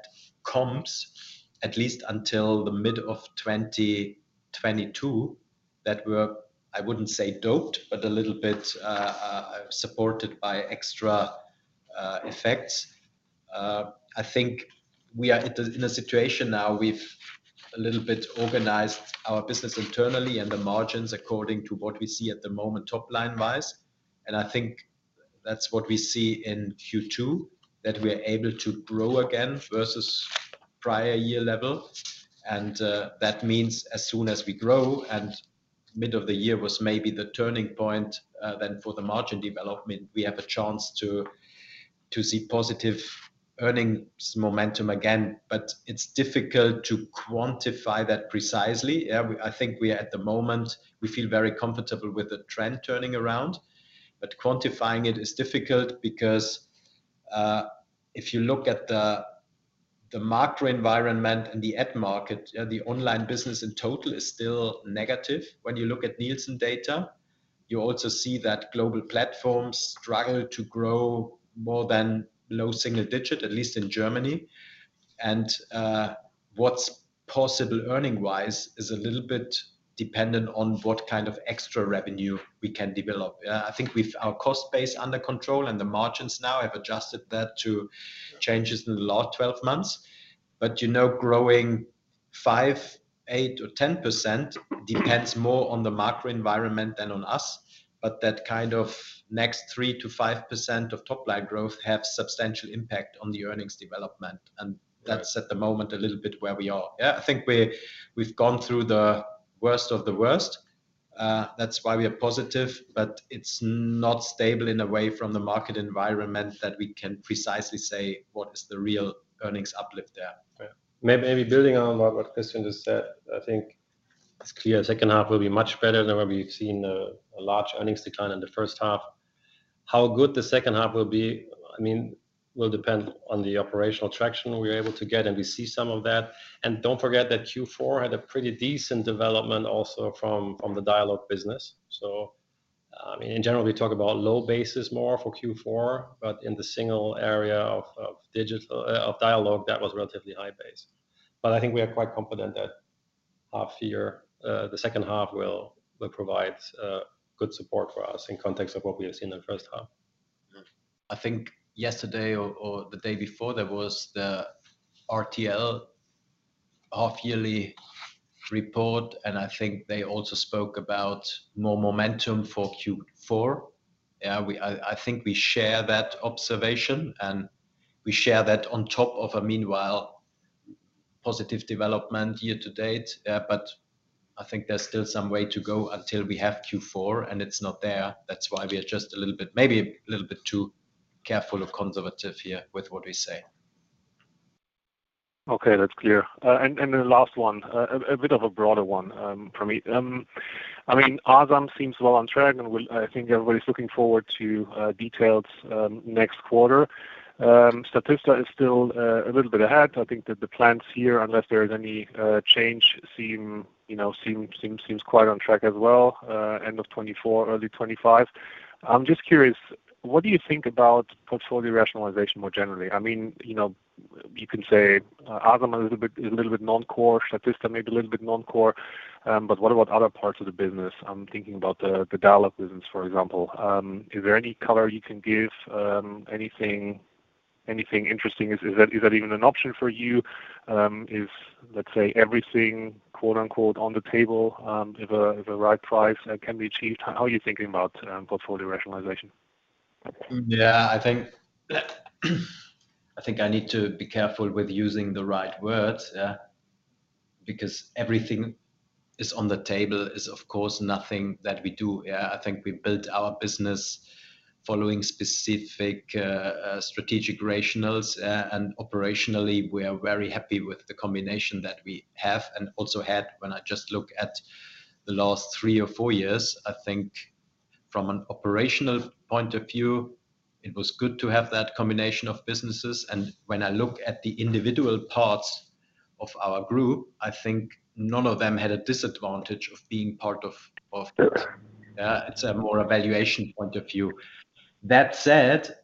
comps at least until the mid of 2022, that were, I wouldn't say doped, but a little bit supported by extra effects. I think we are in a situation now where we've a little bit organized our business internally and the margins according to what we see at the moment, top-line wise, and I think that's what we see in Q2, that we're able to grow again versus prior year level. That means as soon as we grow, and mid of the year was maybe the turning point, then for the margin development, we have a chance to, to see positive earnings momentum again. But it's difficult to quantify that precisely. I think we are at the moment, we feel very comfortable with the trend turning around, but quantifying it is difficult because, if you look at the, the macro environment and the ad market, the online business in total is still negative. When you look at Nielsen data, you also see that global platforms struggle to grow more than low single digit, at least in Germany. What's possible earning-wise, is a little bit dependent on what kind of extra revenue we can develop. I think with our cost base under control and the margins now, I've adjusted that to changes in the last 12 months. You know, growing 5%, 8% or 10% depends more on the macro environment than on us, but that kind of next 3%-5% of top-line growth have substantial impact on the earnings development, and that's at the moment, a little bit where we are. Yeah, I think we've gone through the worst of the worst. That's why we are positive, but it's not stable in a way from the market environment that we can precisely say what is the real earnings uplift there. Okay. Maybe building on what, what Christian just said, I think it's clear second half will be much better than what we've seen, a large earnings decline in the first half. How good the second half will be, I mean, will depend on the operational traction we're able to get, and we see some of that. Don't forget that Q4 had a pretty decent development also from the Dialog business. I mean, in general, we talk about low bases more for Q4, but in the single area of Dialog, that was relatively high base. I think we are quite confident that half year, the second half will provide, good support for us in context of what we have seen in the first half. I think yesterday or the day before, there was the RTL half-yearly report. I think they also spoke about more momentum for Q4. Yeah, I think we share that observation, and we share that on top of a meanwhile positive development year to date. I think there's still some way to go until we have Q4, and it's not there. That's why we are just a little bit, maybe a little bit too careful or conservative here with what we say. Okay, that's clear. The last one, a bit of a broader one, from me. I mean, Asam seems well on track, and I think everybody's looking forward to details next quarter. Statista is still a little bit ahead. I think that the plans here, unless there is any change, you know, seems quite on track as well, end of 2024, early 2025. I'm just curious, what do you think about portfolio rationalization more generally? I mean, you know, you can say Asam is a little bit, is a little bit non-core, Statista may be a little bit non-core, but what about other parts of the business? I'm thinking about the Dialog business, for example. Is there any color you can give? Anything, anything interesting, is, is that, is that even an option for you? Is, let's say, everything, quote-unquote, "on the table," if a, if a right price, can be achieved? How are you thinking about portfolio rationalization? Yeah, I think, I think I need to be careful with using the right words, because everything is on the table is, of course, nothing that we do. I think we built our business following specific, strategic rationales, and operationally, we are very happy with the combination that we have and also had. When I just look at the last three or four years, I think from an operational point of view, it was good to have that combination of businesses. When I look at the individual parts of our group, I think none of them had a disadvantage of being part of. Sure. It's a more valuation point of view. That said,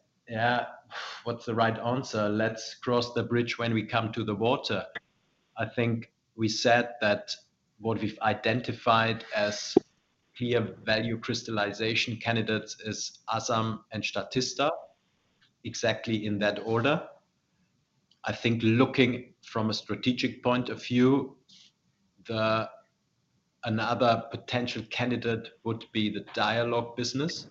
what's the right answer? Let's cross the bridge when we come to the water. I think we said that what we've identified as clear value crystallization candidates is Asam and Statista, exactly in that order. I think looking from a strategic point of view, another potential candidate would be the Dialog business,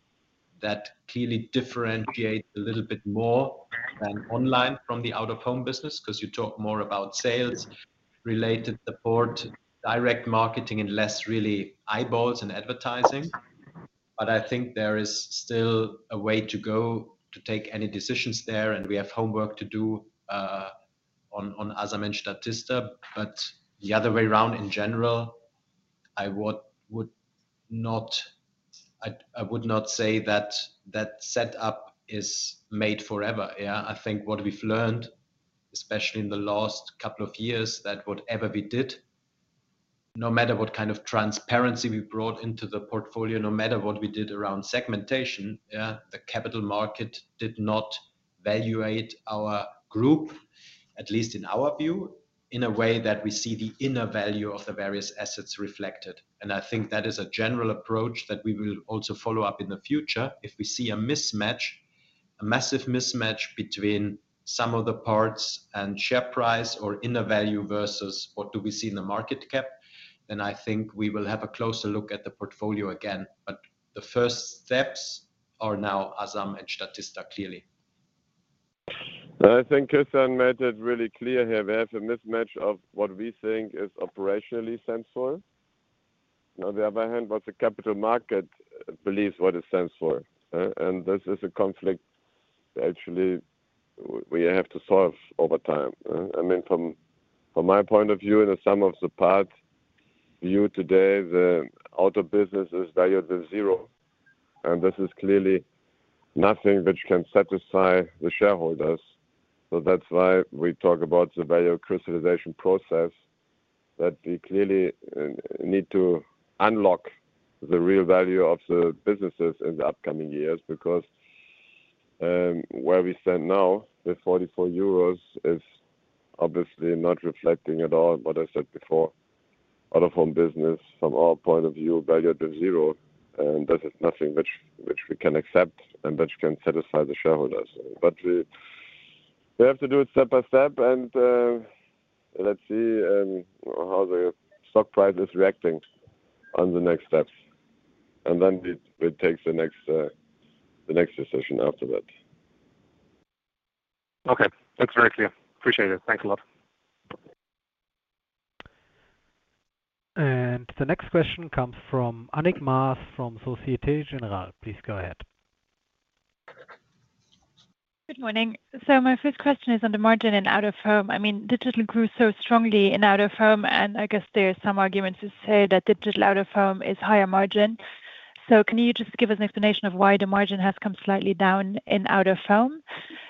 that clearly differentiate a little bit more than online from the out-of-home business, 'cause you talk more about sales-related support, direct marketing, and less really eyeballs and advertising. I think there is still a way to go to take any decisions there, and we have homework to do on Asam and Statista. The other way around, in general, I would not say that that setup is made forever. Yeah, I think what we've learned, especially in the last couple of years, that whatever we did, no matter what kind of transparency we brought into the portfolio, no matter what we did around segmentation, the capital market did not valuate our group, at least in our view, in a way that we see the inner value of the various assets reflected. I think that is a general approach that we will also follow up in the future. If we see a mismatch, a massive mismatch between some of the parts and share price or inner value versus what do we see in the market cap, then I think we will have a closer look at the portfolio again. The first steps are now Asam and Statista, clearly. I think Christian made it really clear here. We have a mismatch of what we think is operationally sensible. On the other hand, what the capital market believes what it stands for. And this is a conflict actually, w-we have to solve over time. I mean, from, from my point of view, in the sum of the parts view today, the Out-of-Home business is valued at zero, and this is clearly nothing which can satisfy the shareholders. That's why we talk about the value crystallization process, that we clearly need to unlock the real value of the businesses in the upcoming years, because where we stand now, the 44 euros is obviously not reflecting at all what I said before. Out-of-home business, from our point of view, valued at zero, and this is nothing which, which we can accept and which can satisfy the shareholders. We, we have to do it step by step, and, let's see, how the stock price is reacting on the next steps, and then we, we take the next, the next decision after that. Okay, thanks very clear. Appreciate it. Thanks a lot. The next question comes from Annick Maas from Société Générale. Please go ahead. Good morning. My first question is on the margin and out-of-home. I mean, digital grew so strongly in out-of-home, and I guess there are some arguments to say that digital out-of-home is higher margin. Can you just give us an explanation of why the margin has come slightly down in out-of-home?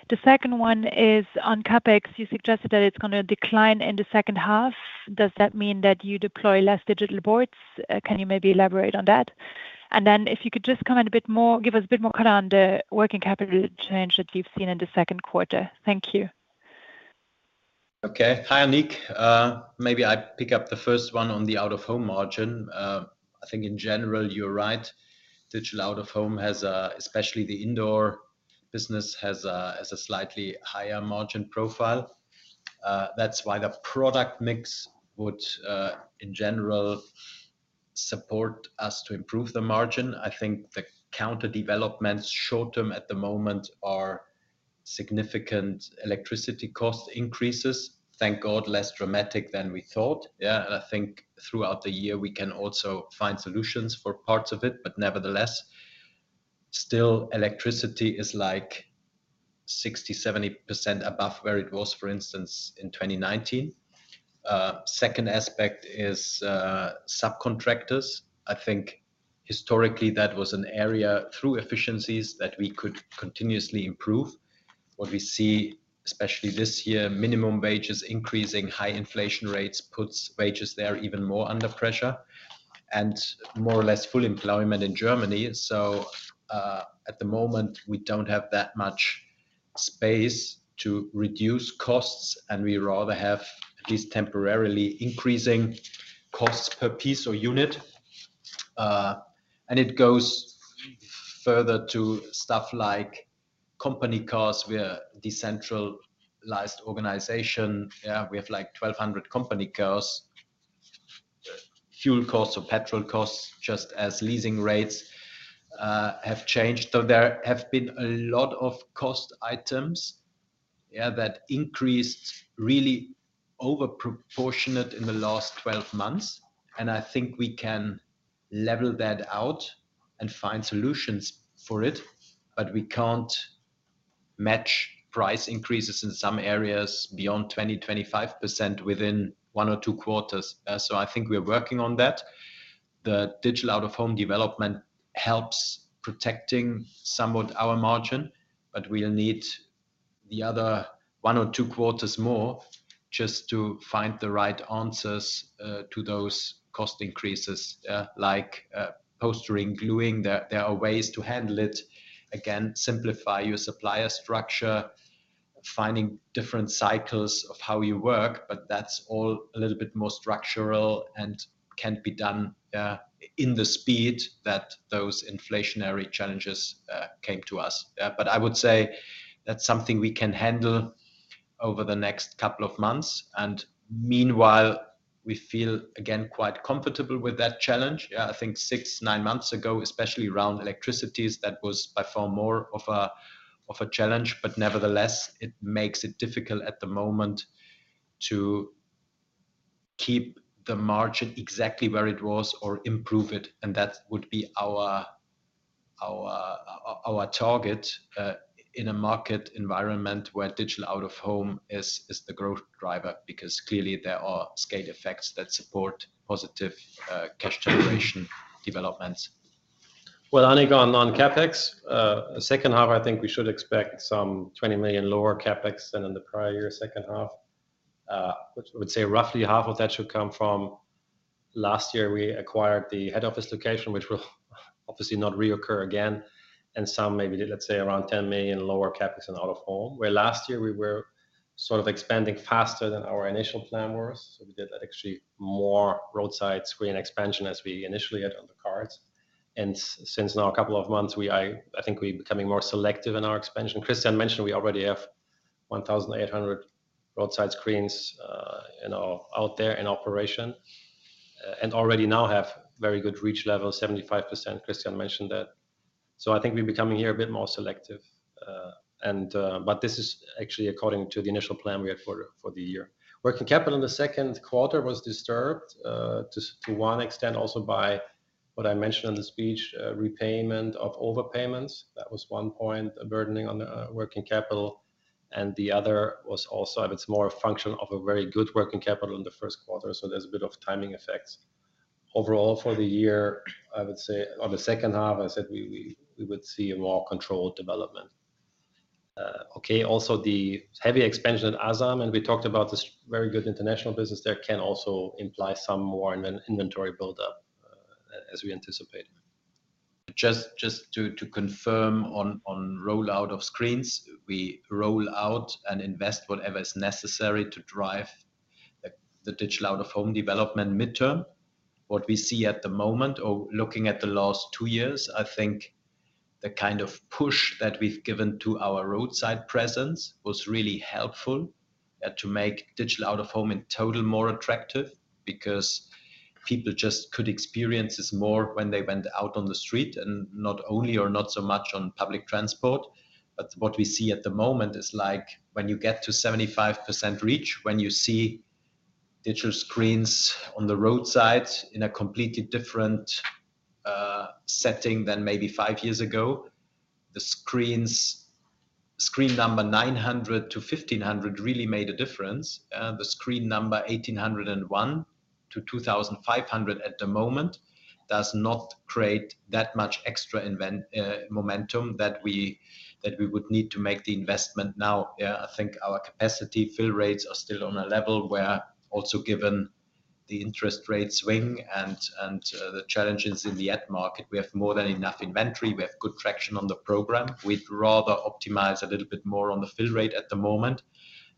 The second one is on CapEx. You suggested that it's gonna decline in the second half. Does that mean that you deploy less digital boards? Can you maybe elaborate on that? Then if you could just comment a bit more, give us a bit more color on the working capital change that you've seen in the second quarter. Thank you. Okay. Hi, Annick. Maybe I pick up the first one on the out-of-home margin. I think in general, you're right. Digital out-of-home has a, especially the indoor business, has a, has a slightly higher margin profile. That's why the product mix would, in general, support us to improve the margin. I think the counter developments short term at the moment are significant electricity cost increases. Thank God, less dramatic than we thought. I think throughout the year, we can also find solutions for parts of it, but nevertheless, still electricity is like 60%, 70% above where it was, for instance, in 2019. Second aspect is, subcontractors. I think historically, that was an area through efficiencies that we could continuously improve. What we see, especially this year, minimum wages increasing, high inflation rates, puts wages there even more under pressure, and more or less full employment in Germany. At the moment, we don't have that much space to reduce costs, and we rather have, at least temporarily, increasing costs per piece or unit. And it goes further to stuff like company cars, where the centralized organization, we have like 1,200 company cars. Fuel costs or petrol costs, just as leasing rates, have changed, so there have been a lot of cost items, yeah, that increased really overproportionate in the last 12 months, and I think we can level that out and find solutions for it, but we can't match price increases in some areas beyond 20%-25% within one or two quarters. I think we're working on that. The digital out-of-home development helps protecting somewhat our margin, but we'll need the other one or two quarters more just to find the right answers to those cost increases, like postering, gluing. There are ways to handle it. Again, simplify your supplier structure, finding different cycles of how you work, but that's all a little bit more structural and can't be done in the speed that those inflationary challenges came to us. I would say that's something we can handle over the next couple of months, and meanwhile, we feel again, quite comfortable with that challenge. Yeah, I think six, nine months ago, especially around electricity, that was by far more of a, of a challenge, but nevertheless, it makes it difficult at the moment to keep the margin exactly where it was or improve it, and that would be our, our, our target, in a market environment where digital out-of-home is, is the growth driver, because clearly there are scale effects that support positive, cash generation development. Well, Annick, on, on CapEx, the second half, I think we should expect some 20 million lower CapEx than in the prior year second half. Which I would say roughly half of that should come from last year, we acquired the head office location, which will obviously not reoccur again, and some maybe, let's say, around 10 million lower CapEx in out-of-home, where last year we were sort of expanding faster than our initial plan was. We did actually more roadside screen expansion as we initially had on the cards, and since now a couple of months, we are I think we're becoming more selective in our expansion. Christian mentioned we already have 1,800 roadside screens, you know, out there in operation, and already now have very good reach levels, 75%. Christian mentioned that. I think we're becoming here a bit more selective, and this is actually according to the initial plan we had for the year. Working capital in the second quarter was disturbed, to one extent, also by what I mentioned on the speech, repayment of overpayments. That was one point, a burdening on the working capital, and the other was also, it's more a function of a very good working capital in the first quarter, so there's a bit of timing effects. Overall, for the year, I would say on the second half, I said we would see a more controlled development. Okay, also the heavy expansion in Asam, and we talked about this very good international business there, can also imply some more inventory buildup, as we anticipated. Just, just to, to confirm on, on rollout of screens, we roll out and invest whatever is necessary to drive the, the digital out-of-home development midterm. What we see at the moment or looking at the last two years, I think the kind of push that we've given to our roadside presence was really helpful and to make digital out-of-home in total more attractive, because people just could experience this more when they went out on the street, and not only or not so much on public transport. What we see at the moment is, when you get to 75% reach, when you see digital screens on the roadside in a completely different setting than maybe five years ago, the screen number 900-1,500 really made a difference, and the screen number 1,801-2,500 at the moment, does not create that much extra invent momentum that we, that we would need to make the investment now. Yeah, I think our capacity fill rates are still on a level where also given the interest rate swing and the challenges in the ad market, we have more than enough inventory. We have good traction on the program. We'd rather optimize a little bit more on the fill rate at the moment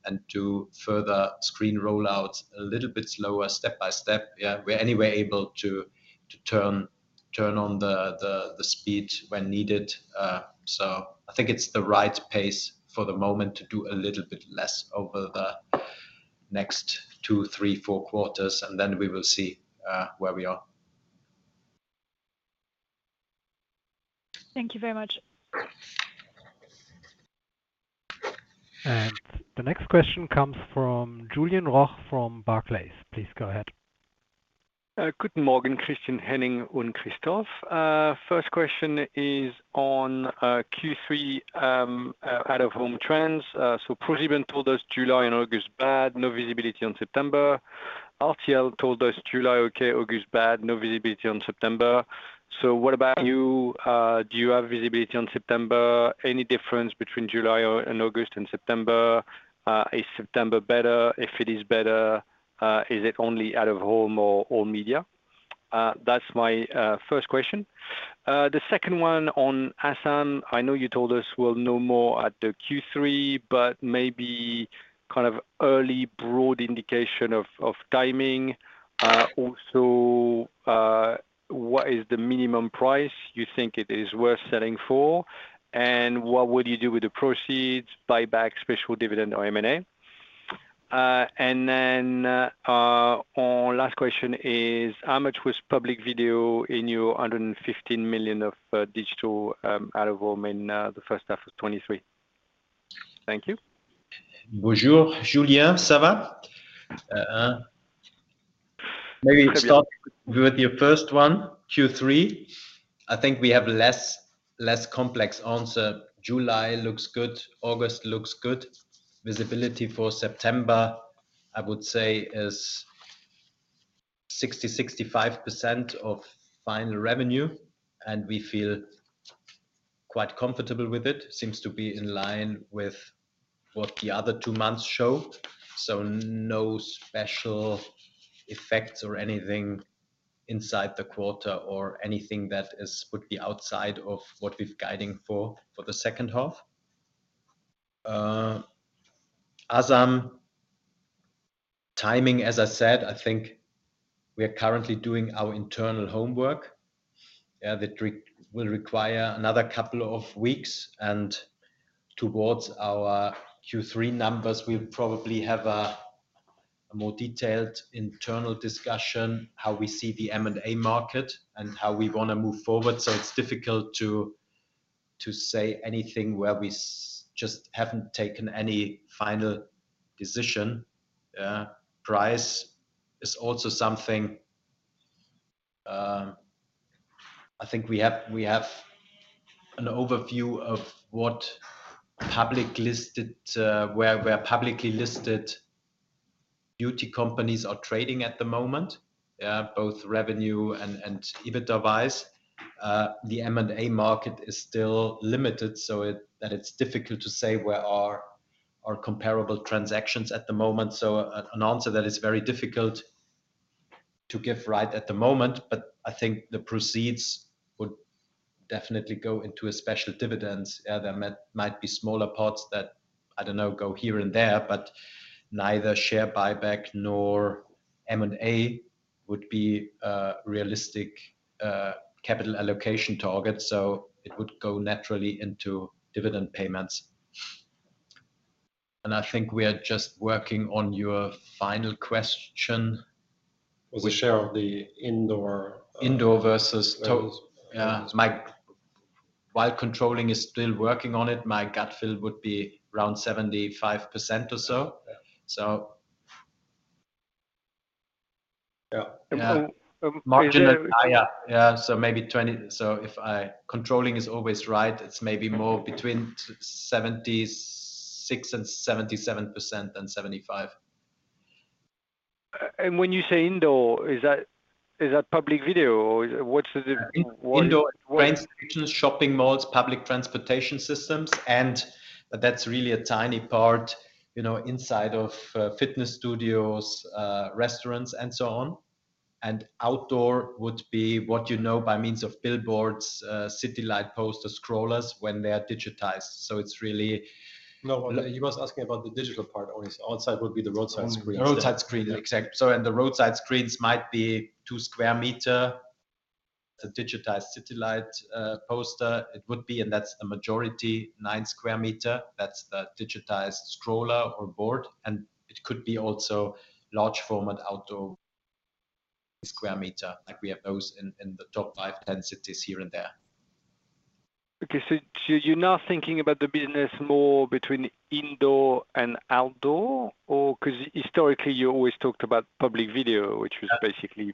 and to further screen roll out a little bit slower, step by step. Yeah, we're anyway able to, to turn, turn on the, the, the speed when needed. I think it's the right pace for the moment to do a little bit less over the next two, three, four quarters, and then we will see where we are. Thank you very much. The next question comes from Julien Roch from Barclays. Please go ahead. Good morning, Christian, Henning, and Christoph. First question is on Q3 out-of-home trends. ProSieben told us July and August, bad, no visibility on September. RTL told us July, okay, August, bad, no visibility on September. What about you? Do you have visibility on September? Any difference between July and August and September? Is September better? If it is better, is it only out-of-home or all media? That's my first question. The second one on Asam. I know you told us we'll know more at the Q3, but maybe kind of early, broad indication of timing. Also, what is the minimum price you think it is worth selling for? What would you do with the proceeds? Buyback, special dividend or M&A? Our last question is, how much was public video in your 115 million of digital out-of-home in H1 2023? Thank you. Bonjour, Julien. Ça va? Maybe start with your first one, Q3. I think we have less, less complex answer. July looks good, August looks good. Visibility for September, I would say, is 60%-65% of final revenue, and we feel quite comfortable with it. Seems to be in line with what the other two months show. No special effects or anything inside the quarter or anything that would be outside of what we're guiding for, for the second half. Asam, timing, as I said, I think we are currently doing our internal homework that will require another couple of weeks, and towards our Q3 numbers, we'll probably have a more detailed internal discussion, how we see the M&A market and how we wanna move forward. It's difficult to say anything where we just haven't taken any final decision. Price is also something. I think we have, we have an overview of what public listed, where publicly listed beauty companies are trading at the moment, both revenue and EBITDA-wise. The M&A market is still limited, so it's difficult to say where are our comparable transactions at the moment. An answer that is very difficult to give right at the moment, but I think the proceeds would definitely go into a special dividend. There might, might be smaller parts that, I don't know, go here and there, but neither share buyback nor M&A would be a realistic capital allocation target, so it would go naturally into dividend payments. I think we are just working on your final question. Was the share of the indoor. Indoor versus. Yeah. While controlling is still working on it, my gut feel would be around 75% or so. Yeah. So. Yeah. Marginal. Yeah. Yeah, so maybe 20. Controlling is always right, it's maybe more between 76% and 77% than 75%. When you say indoor, is that, is that public video, or what's the what? Indoor, train stations, shopping malls, public transportation systems, and that's really a tiny part, you know, inside of, fitness studios, restaurants, and so on. Outdoor would be what you know by means of billboards, city light posts, or scrollers when they are digitized. It's really. No, he was asking about the digital part only. Outside would be the roadside screens. Roadside screen, exactly. Yeah. The roadside screens might be two square meter. A digitized satellite poster, it would be, and that's a majority nine square meter. That's the digitized scroller or board, and it could be also large format outdoor square meter, like we have those in, in the top five densities here and there. Okay, so you're now thinking about the business more between indoor and outdoor, or because historically, you always talked about public video, which was basically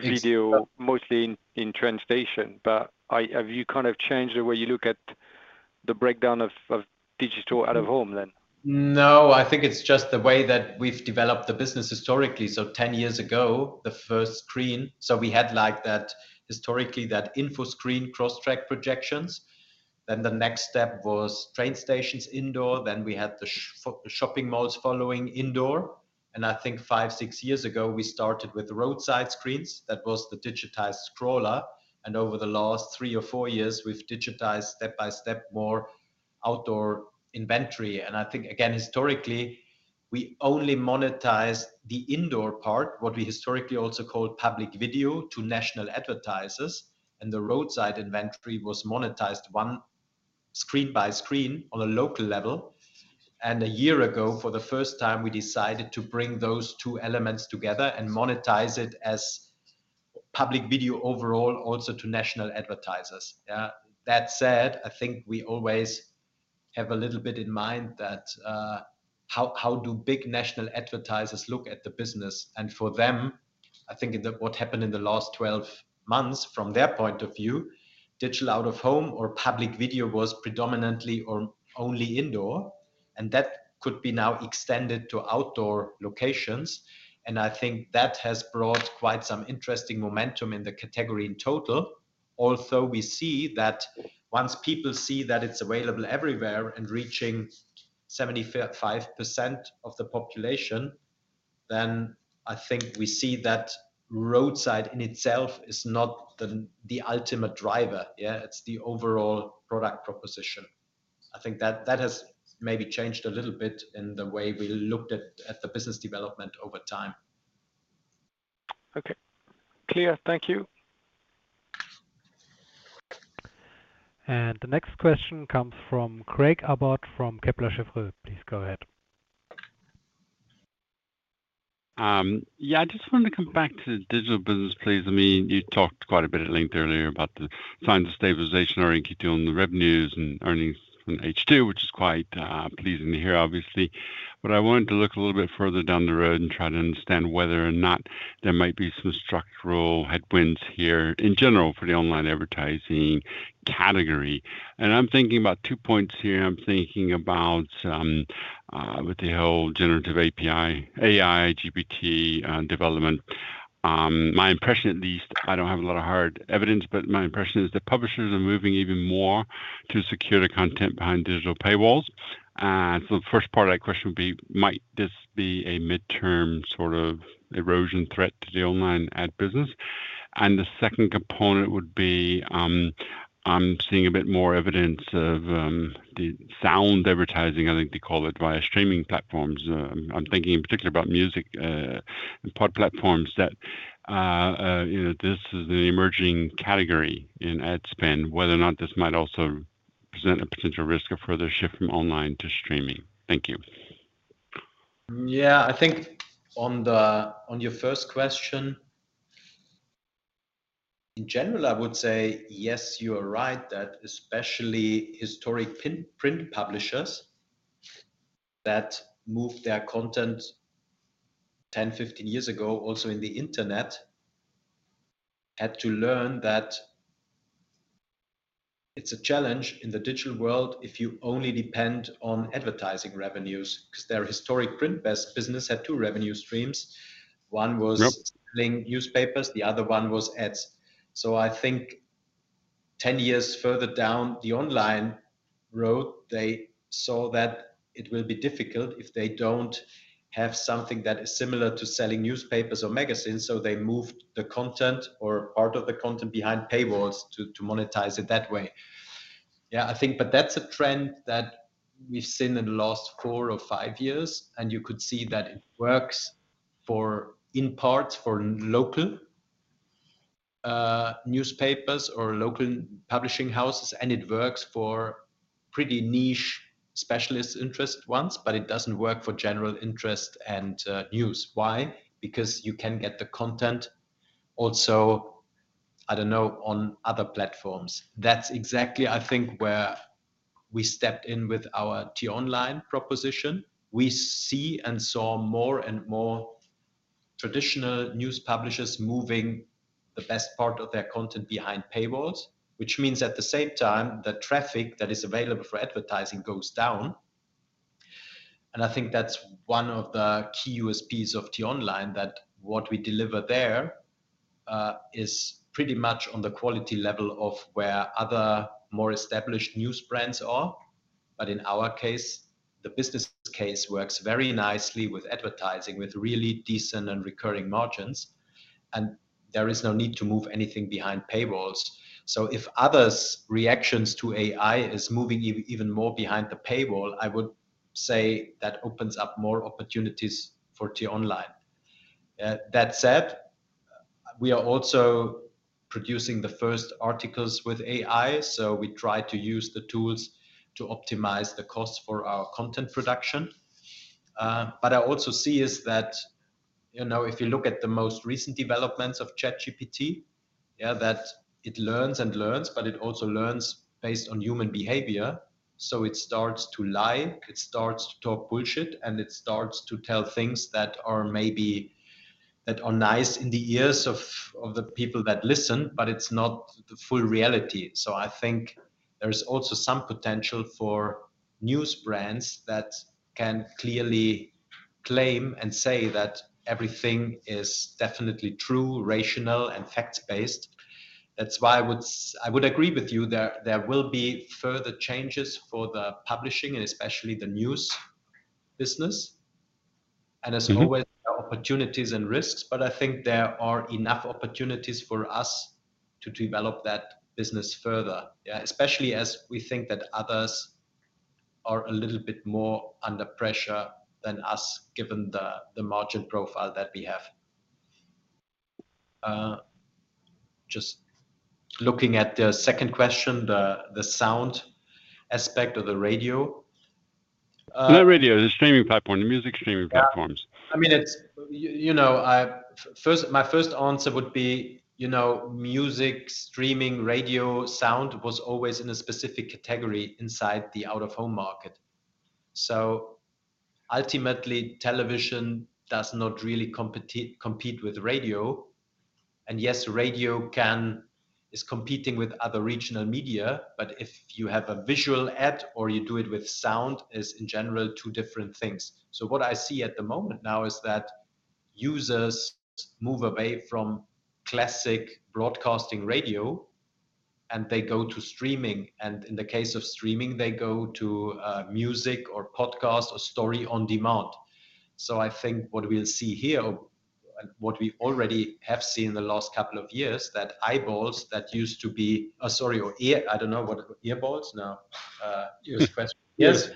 video mostly in, in train station, but have you kind of changed the way you look at the breakdown of, of digital out-of-home, then? No, I think it's just the way that we've developed the business historically. 10 years ago, the first screen, we had like that, historically, that Infoscreen cross-track projections. The next step was train stations indoor, then we had the shopping malls following indoor, I think five, six years ago, we started with the roadside screens. That was the digitized scroller, over the last three or four years, we've digitized step by step, more outdoor inventory. I think, again, historically, we only monetized the indoor part, what we historically also called public video, to national advertisers, the roadside inventory was monetized one screen by screen on a local level. one year ago, for the first time, we decided to bring those two elements together and monetize it as public video overall, also to national advertisers. That said, I think we always have a little bit in mind that, how, how do big national advertisers look at the business? For them, I think that what happened in the last 12 months, from their point of view, digital out-of-home or public video was predominantly or only indoor, and that could be now extended to outdoor locations. I think that has brought quite some interesting momentum in the category in total. Also, we see that once people see that it's available everywhere and reaching 75% of the population, then I think we see that roadside in itself is not the, the ultimate driver. Yeah, it's the overall product proposition. I think that, that has maybe changed a little bit in the way we looked at, at the business development over time. Okay, clear. Thank you. The next question comes from Craig Abbott, from Kepler Cheuvreux. Please go ahead. Yeah, I just wanted to come back to the digital business, please. I mean, you talked quite a bit at length earlier about the signs of stabilization or in continuing the revenues and earnings from H2, which is quite pleasing to hear, obviously. I wanted to look a little bit further down the road and try to understand whether or not there might be some structural headwinds here in general for the online advertising category. I'm thinking about two points here. I'm thinking about, with the whole generative API, AI, GPT development. My impression at least, I don't have a lot of hard evidence, but my impression is that publishers are moving even more to secure the content behind digital paywalls. The first part of that question would be, might this be a midterm sort of erosion threat to the online ad business? The second component would be, I'm seeing a bit more evidence of, the sound advertising, I think they call it, via streaming platforms. I'm thinking in particular about music, and pod platforms that, you know, this is an emerging category in ad spend, whether or not this might also present a potential risk of further shift from online to streaming. Thank you. Yeah, I think on your first question, in general, I would say, yes, you are right, that especially historic print publishers that moved their content 10, 15 years ago, also in the internet, had to learn that it's a challenge in the digital world if you only depend on advertising revenues, 'cause their historic print-based business had two revenue streams. Yep. One was selling newspapers, the other one was ads. I think 10 years further down the online road, they saw that it will be difficult if they don't have something that is similar to selling newspapers or magazines, so they moved the content or part of the content behind paywalls to, to monetize it that way. I think, but that's a trend that we've seen in the last four or five years, and you could see that it works for, in part, for local newspapers or local publishing houses, and it works for pretty niche specialist interest ones, It doesn't work for general interest and news. Why? Because you can get the content also, I don't know, on other platforms. That's exactly, I think, where we stepped in with our T-Online proposition. We see and saw more and more traditional news publishers moving the best part of their content behind paywalls, which means at the same time, the traffic that is available for advertising goes down. I think that's one of the key USP of T-Online, that what we deliver there is pretty much on the quality level of where other more established news brands are. In our case, the business case works very nicely with advertising, with really decent and recurring margins, and there is no need to move anything behind paywalls. If others' reactions to AI is moving even more behind the paywall, I would say that opens up more opportunities for T-Online. That said, we are also producing the first articles with AI, so we try to use the tools to optimize the cost for our content production. I also see is that, you know, if you look at the most recent developments of ChatGPT, yeah, that it learns and learns, but it also learns based on human behavior, so it starts to lie, it starts to talk bullshit, and it starts to tell things that are maybe, that are nice in the ears of, of the people that listen, but it's not the full reality. I think there is also some potential for news brands that can clearly claim and say that everything is definitely true, rational, and fact-based. That's why I would agree with you there, there will be further changes for the publishing and especially the news business. As always, there are opportunities and risks, but I think there are enough opportunities for us to develop that business further. Yeah, especially as we think that others are a little bit more under pressure than us, given the, the margin profile that we have. Just looking at the second question, the, the sound aspect of the radio. Not radio, the streaming platform, the music streaming platforms. Yeah. I mean, it's, you know, first, my first answer would be, you know, music, streaming, radio, sound, was always in a specific category inside the out-of-home market. Ultimately, television does not really compete, compete with radio, and yes, radio is competing with other regional media, but if you have a visual ad or you do it with sound, is in general two different things. What I see at the moment now is that users move away from classic broadcasting radio, and they go to streaming, and in the case of streaming, they go to music or podcast or story on demand. I think what we'll see here, and what we already have seen in the last couple of years, that eyeballs that used to be, sorry, or ear, I don't know what, earballs? No, use question. Yes.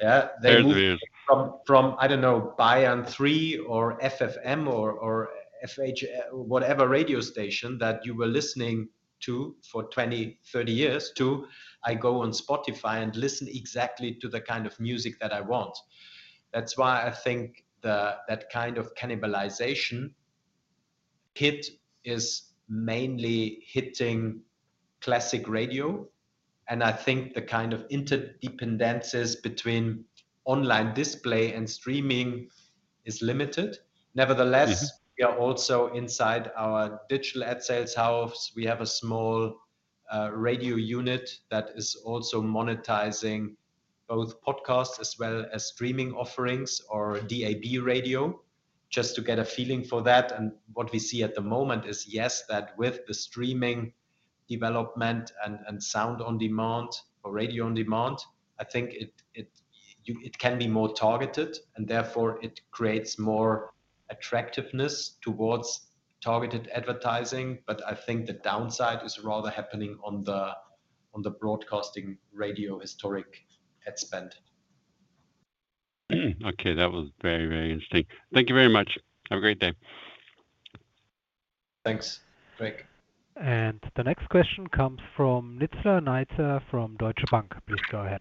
Yeah. Earballs. From, from, I don't know, Bayern 3 or FFM or, or FH, whatever radio station that you were listening to for 20, 30 years, to, I go on Spotify and listen exactly to the kind of music that I want. That's why I think the, that kind of cannibalization hit is mainly hitting classic radio, and I think the kind of interdependencies between online display and streaming is limited. Yes. Nevertheless, we are also inside our digital ad sales house. We have a small radio unit that is also monetizing both podcasts as well as streaming offerings or DAB radio, just to get a feeling for that. What we see at the moment is, yes, that with the streaming development and, and sound on demand or radio on demand, I think it, it, you, it can be more targeted, and therefore it creates more attractiveness towards targeted advertising. I think the downside is rather happening on the, on the broadcasting radio historic ad spend. Okay, that was very, very interesting. Thank you very much. Have a great day. Thanks. Thank you. The next question comes from Nizla Naizer from Deutsche Bank. Please go ahead.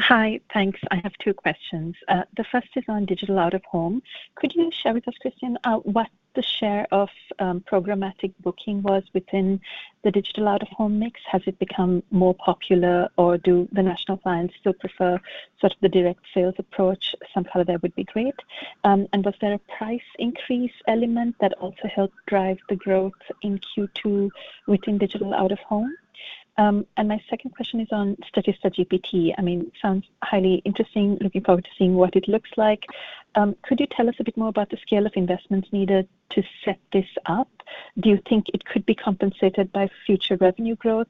Hi. Thanks. I have two questions. The first is on digital out-of-home. Could you share with us, Christian, what the share of programmatic booking was within the digital out-of-home mix? Has it become more popular, or do the national clients still prefer sort of the direct sales approach? Some color there would be great. Was there a price increase element that also helped drive the growth in Q2 within digital out-of-home? My second question is on Statista GPT. I mean, sounds highly interesting. Looking forward to seeing what it looks like. Could you tell us a bit more about the scale of investments needed to set this up? Do you think it could be compensated by future revenue growth?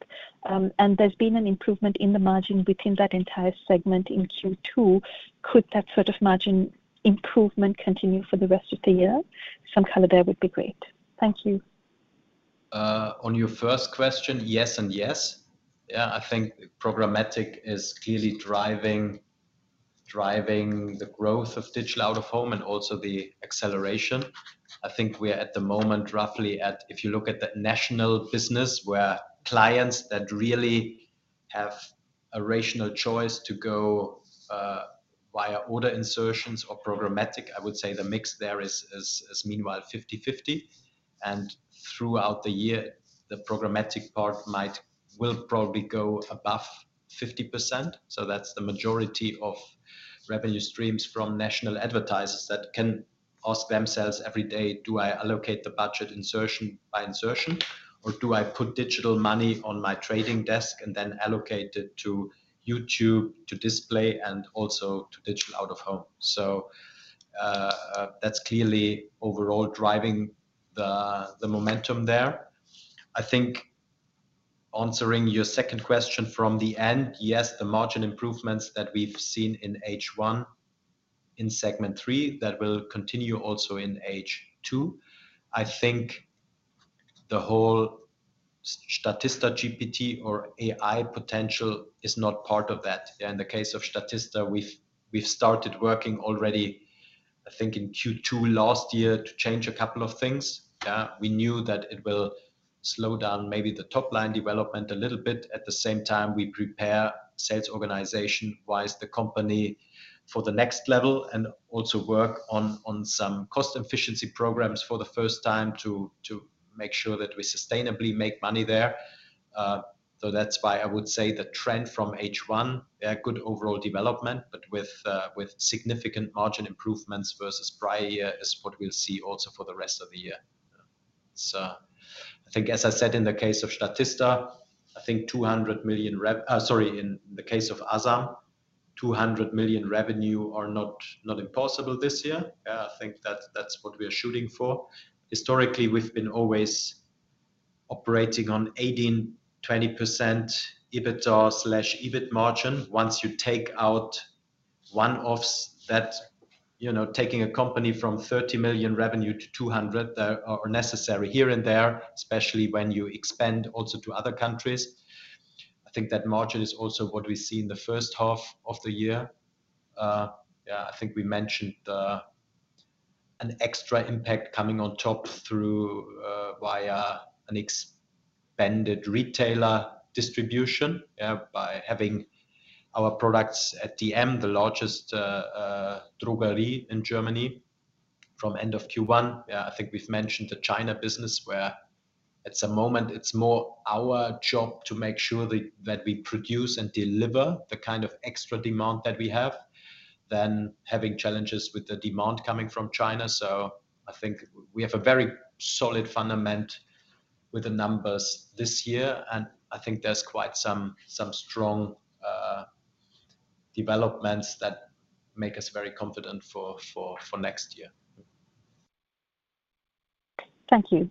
There's been an improvement in the margin within that entire segment in Q2. Could that sort of margin improvement continue for the rest of the year? Some color there would be great. Thank you. On your first question, yes and yes. Yeah, I think programmatic is clearly driving, driving the growth of digital out-of-home and also the acceleration. I think we are, at the moment, roughly. If you look at the national business, where clients that really have a rational choice to go via order insertions or programmatic, I would say the mix there is, is, is meanwhile 50/50. Throughout the year, the programmatic part will probably go above 50%, so that's the majority of revenue streams from national advertisers that can ask themselves every day, "Do I allocate the budget insertion by insertion, or do I put digital money on my trading desk and then allocate it to YouTube to display and also to digital out-of-home?" That's clearly overall driving the, the momentum there. I think answering your second question from the end, yes, the margin improvements that we've seen in segment three, that will continue also in H2. I think the whole Statista GPT or AI potential is not part of that. In the case of Statista, we've, we've started working already, I think, in Q2 last year to change a couple of things. We knew that it will slow down maybe the top line development a little bit. At the same time, we prepare sales organization-wise, the company for the next level, and also work on, on some cost efficiency programs for the first time to, to make sure that we sustainably make money there. That's why I would say the trend from H1, a good overall development, but with significant margin improvements versus prior year, is what we'll see also for the rest of the year. I think, as I said, in the case of Statista, I think 200 million revenue are not, not impossible this year. Yeah, I think that's, that's what we are shooting for. Historically, we've been always operating on 18%, 20% EBITDA/EBIT margin. Once you take out one-offs that, you know, taking a company from 30 million revenue to 200 million are necessary here and there, especially when you expand also to other countries. I think that margin is also what we see in H1 of the year. I think we have mentioned an extra impact coming on top through via an expanded retailer distribution by having our products at dm, the largest drugstore in Germany, from end of Q1. I think we've mentioned the China business, where at the moment it's more our job to make sure that we produce and deliver the kind of extra demand that we have than having challenges with the demand coming from China. So I think we have a very solid fundament with the numbers this year, and I think there's quite some strong developments that make us very confident for next year Thank you.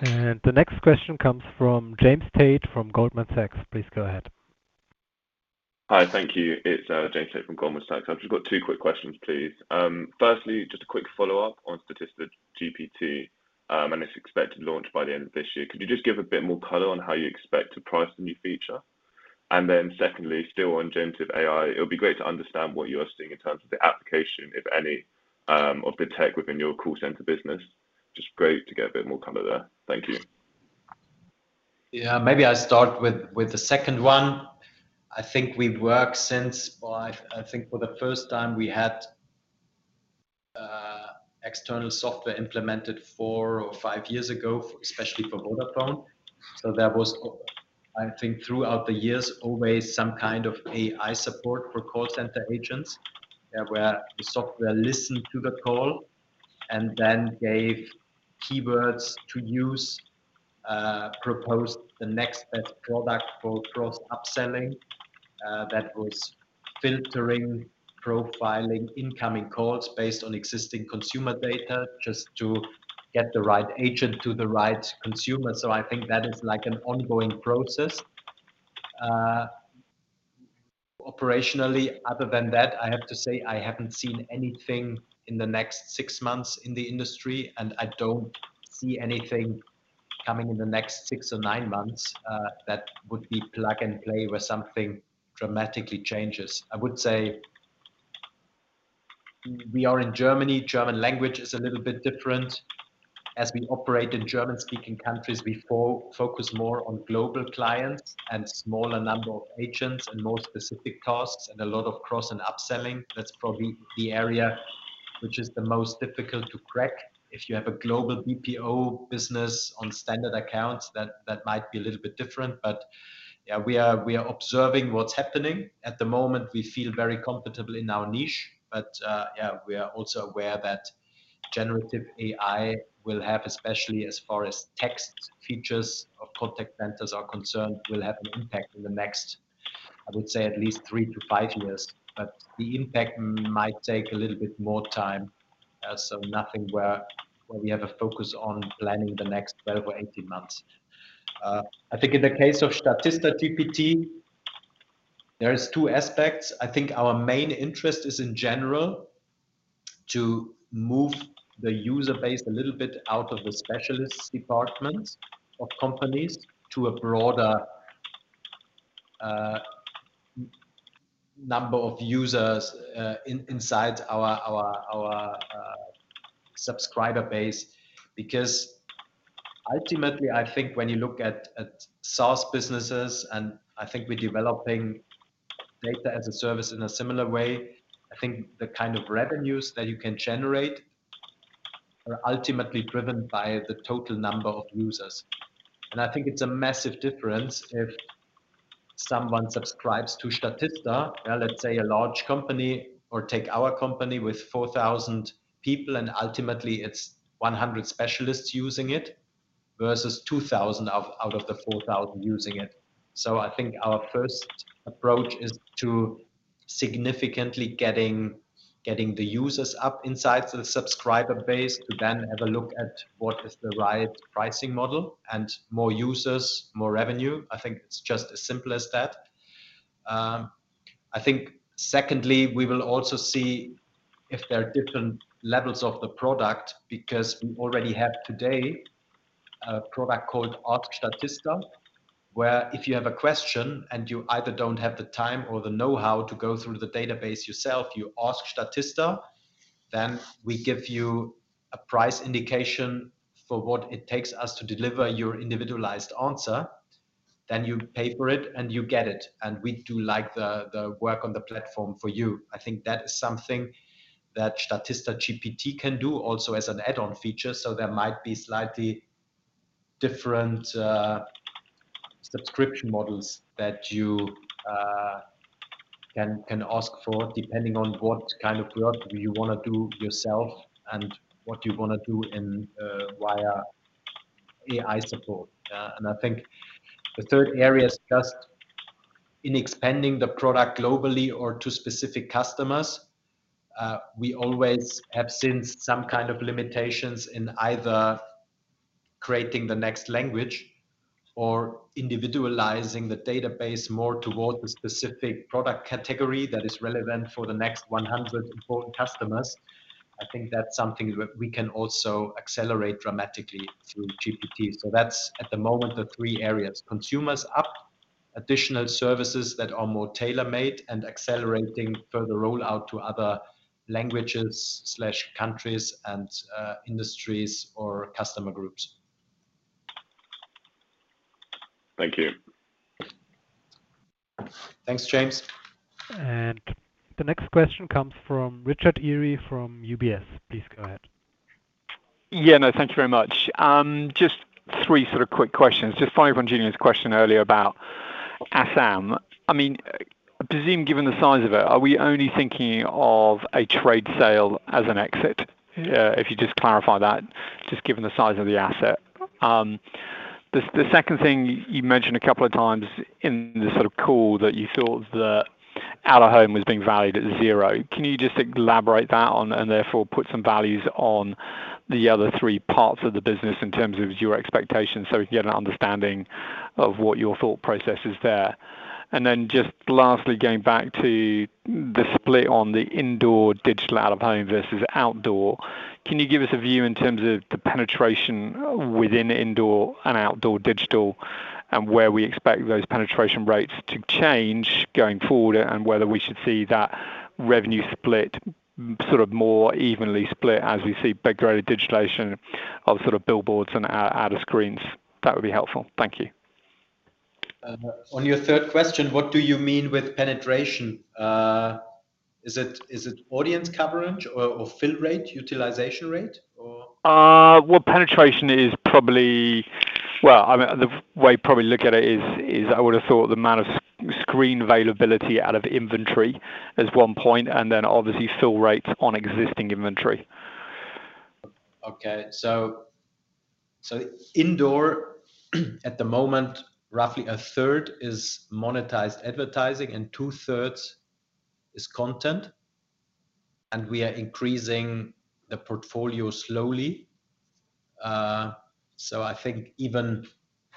The next question comes from James Tate from Goldman Sachs. Please go ahead. Hi, thank you. It's James Tate from Goldman Sachs. I've just got two quick questions, please. Firstly, just a quick follow-up on Statista GPT, and its expected launch by the end of this year. Could you just give a bit more color on how you expect to price the new feature? Secondly, still on generative AI, it would be great to understand what you are seeing in terms of the application, if any, of the tech within your call center business. Just great to get a bit more color there. Thank you. Yeah. Maybe I start with, with the second one. I think we've worked since. Well, I, I think for the first time we had external software implemented four or five years ago, especially for Vodafone. There was, I think throughout the years, always some kind of AI support for call center agents, where the software listened to the call and then gave keywords to use, proposed the next best product for cross upselling. That was filtering, profiling, incoming calls based on existing consumer data, just to get the right agent to the right consumer. I think that is like an ongoing process. Operationally, other than that, I have to say I haven't seen anything in the next six months in the industry, and I don't see anything coming in the next six or nine months that would be plug and play, where something dramatically changes. I would say, we are in Germany. German language is a little bit different. As we operate in German-speaking countries, we focus more on global clients and smaller number of agents, and more specific tasks, and a lot of cross and upselling. That's probably the area which is the most difficult to crack. If you have a global BPO business on standard accounts, that, that might be a little bit different. Yeah, we are, we are observing what's happening. At the moment, we feel very comfortable in our niche, but we are also aware that generative AI will have, especially as far as text features of contact centers are concerned, will have an impact in the next, I would say, at least three to five years. The impact might take a little bit more time, so nothing where, where we have a focus on planning the next 12 or 18 months. I think in the case of Statista GPT, there is two aspects. I think our main interest is in general, to move the user base a little bit out of the specialist departments of companies to a broader number of users inside our, our, our subscriber base. Because ultimately, I think when you look at, at SaaS businesses, and I think we're developing Data-as-a-Service in a similar way, I think the kind of revenues that you can generate are ultimately driven by the total number of users. And I think it's a massive difference if someone subscribes to Statista, let's say a large company, or take our company with 4,000 people, and ultimately it's 100 specialists using it, versus 2,000 out, out of the 4,000 using it. So I think our first approach is to significantly getting the users up inside the subscriber base to then have a look at what is the right pricing model, and more users, more revenue. I think it's just as simple as that. I think secondly, we will also see if there are different levels of the product, because we already have today a product called AskStatista, where if you have a question and you either don't have the time or the know-how to go through the database yourself, you ask Statista, then we give you a price indication for what it takes us to deliver your individualized answer. Then you pay for it, and you get it, and we do like the, the work on the platform for you. I think that is something that Statista GPT can do also as an add-on feature, so there might be slightly different subscription models that you can ask for, depending on what kind of work you wanna do yourself and what you wanna do in via AI support. I think the third area is just in expanding the product globally or to specific customers. We always have seen some kind of limitations in either creating the next language or individualizing the database more toward the specific product category that is relevant for the next 100 important customers. I think that's something that we can also accelerate dramatically through GPT. That's, at the moment, the three areas: consumers up, additional services that are more tailor-made, and accelerating further rollout to other languages/countries and industries or customer groups. Thank you. Thanks, James. The next question comes from Richard Eary from UBS. Please go ahead. Yeah, no, thank you very much. Just three sort of quick questions. Just following on Julien's question earlier about Asam. I mean, presume, given the size of it, are we only thinking of a trade sale as an exit? If you just clarify that, just given the size of the asset. The second thing you mentioned a couple of times in this sort of call that you thought that out-of-home was being valued at zero. Can you just elaborate that on and therefore put some values on the other three parts of the business in terms of your expectations, so we can get an understanding of what your thought process is there? Just lastly, going back to the split on the indoor digital out-of-home versus outdoor, can you give us a view in terms of the penetration within indoor and outdoor digital and where we expect those penetration rates to change going forward, and whether we should see that revenue split, sort of more evenly split as we see greater digitization of sort of billboards and outdoor screens? That would be helpful. Thank you. On your third question, what do you mean with penetration? Is it, is it audience coverage or, or fill rate, utilization rate, or? Well, penetration is probably. Well, I mean, the way I probably look at it is, is I would have thought the amount of screen availability out of inventory is one point, and then obviously fill rates on existing inventory. Indoor, at the moment, roughly a third is monetized advertising, and two-thirds is content. We are increasing the portfolio slowly. I think even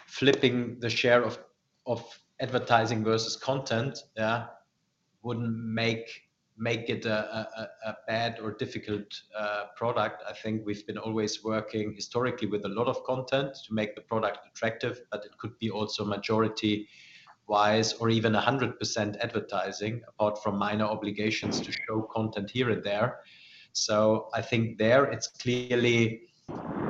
flipping the share of, of advertising versus content, yeah, wouldn't make it a bad or difficult product. I think we've been always working historically with a lot of content to make the product attractive, but it could be also majority-wise or even 100% advertising, apart from minor obligations to show content here and there. I think there, it's clearly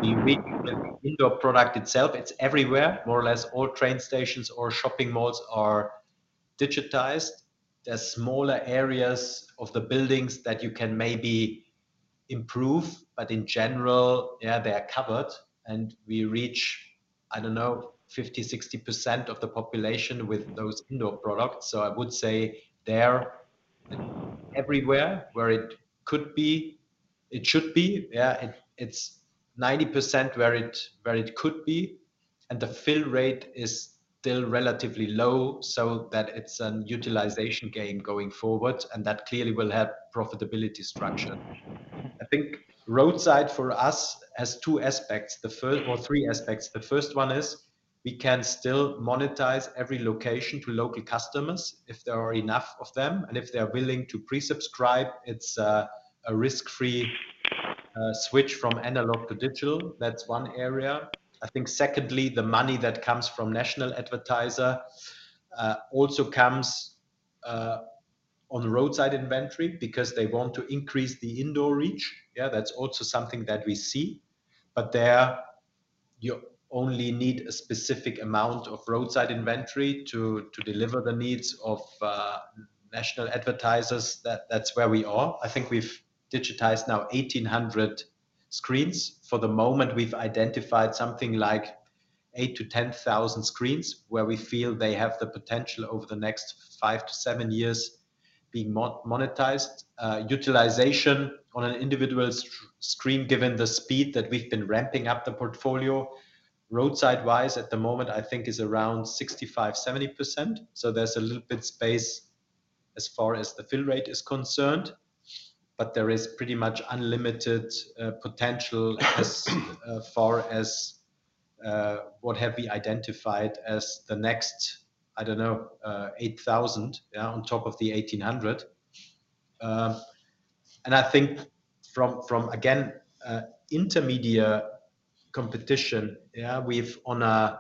we reach the indoor product itself. It's everywhere. More or less all train stations or shopping malls are digitized. There are smaller areas of the buildings that you can maybe improve, but in general, yeah, they are covered, and we reach, I don't know, 50%-60% of the population with those indoor products. I would say they're everywhere. Where it could be, it should be, it's 90% where it, where it could be, the fill rate is still relatively low, that it's a utilization game going forward, that clearly will have profitability structure. Roadside for us has two aspects, the first or three aspects. The first one is, we can still monetize every location to local customers if there are enough of them, if they are willing to pre-subscribe, it's a risk-free switch from analog to digital. That's one area. Secondly, the money that comes from national advertiser also comes on the roadside inventory because they want to increase the indoor reach. Yeah, that's also something that we see, but there, you only need a specific amount of roadside inventory to deliver the needs of national advertisers. That's where we are. I think we've digitized now 1,800 screens. For the moment, we've identified something like 8,000-10,000 screens, where we feel they have the potential over the next five-seven years, being monetized. Utilization on an individual screen, given the speed that we've been ramping up the portfolio, roadside-wise at the moment, I think is around 65%-70%, so there's a little bit space as far as the fill rate is concerned, but there is pretty much unlimited potential as far as what have we identified as the next, I don't know, 8,000, yeah, on top of the 1,800. I think from, from, again, intermedia competition, yeah, we've on a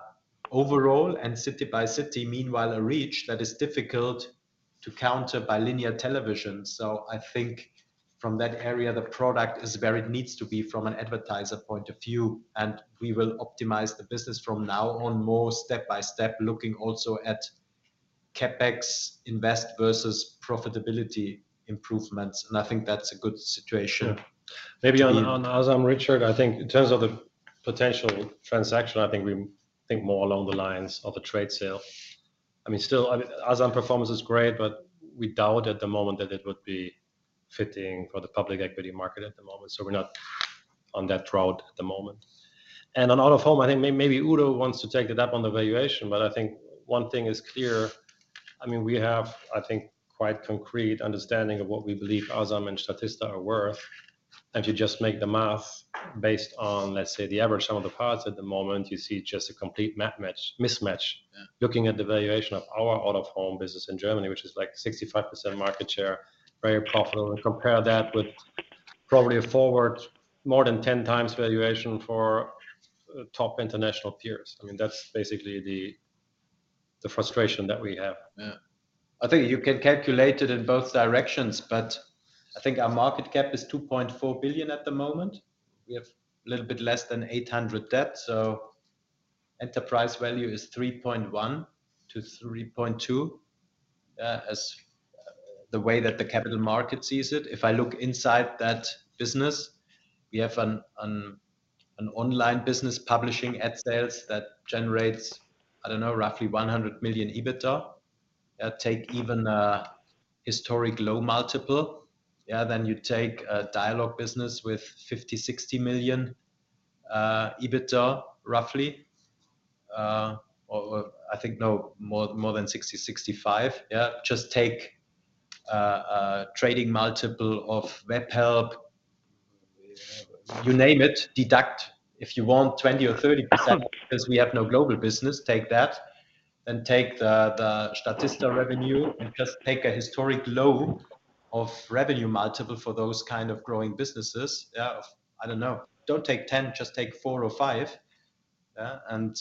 overall and city by city, meanwhile, a reach that is difficult to counter by linear television. I think from that area, the product is where it needs to be from an advertiser point of view, and we will optimize the business from now on, more step by step, looking also at CapEx invest versus profitability improvements, and I think that's a good situation. Yeah. Maybe on, on Asam, Richard, I think in terms of the potential transaction, I think we think more along the lines of a trade sale. I mean, still, I mean, Asam performance is great, but we doubt at the moment that it would be fitting for the public equity market at the moment, so we're not on that route at the moment. On Out-of-Home, I think maybe Udo wants to take it up on the valuation, but I think one thing is clear, I mean, we have, I think, quite concrete understanding of what we believe Asam and Statista are worth. You just make the math based on, let's say, the average sum of the parts at the moment, you see just a complete mismatch Looking at the valuation of our Out-of-Home business in Germany, which is like 65% market share, very profitable, and compare that with probably a forward more than 10x valuation for top international peers. I mean, that's basically the frustration that we have. Yeah. I think you can calculate it in both directions, but I think our market cap is 2.4 billion at the moment. We have a little bit less than 800 million debt, so enterprise value is 3.1 billion-3.2 billion as the way that the capital market sees it. If I look inside that business, we have an online business publishing ad sales that generates, I don't know, roughly 100 million EBITDA. Take even a historic low multiple, yeah, then you take a Dialog business with 50 million-60 million EBITDA, roughly. Or I think no, more than 60-65. Yeah, just take a trading multiple of Webhelp, you name it, deduct if you want 20% or 30% because we have no global business, take that, and take the Statista revenue and just take a historic low of revenue multiple for those kind of growing businesses. Yeah, of, I don't know, don't take 10, just take four or five, and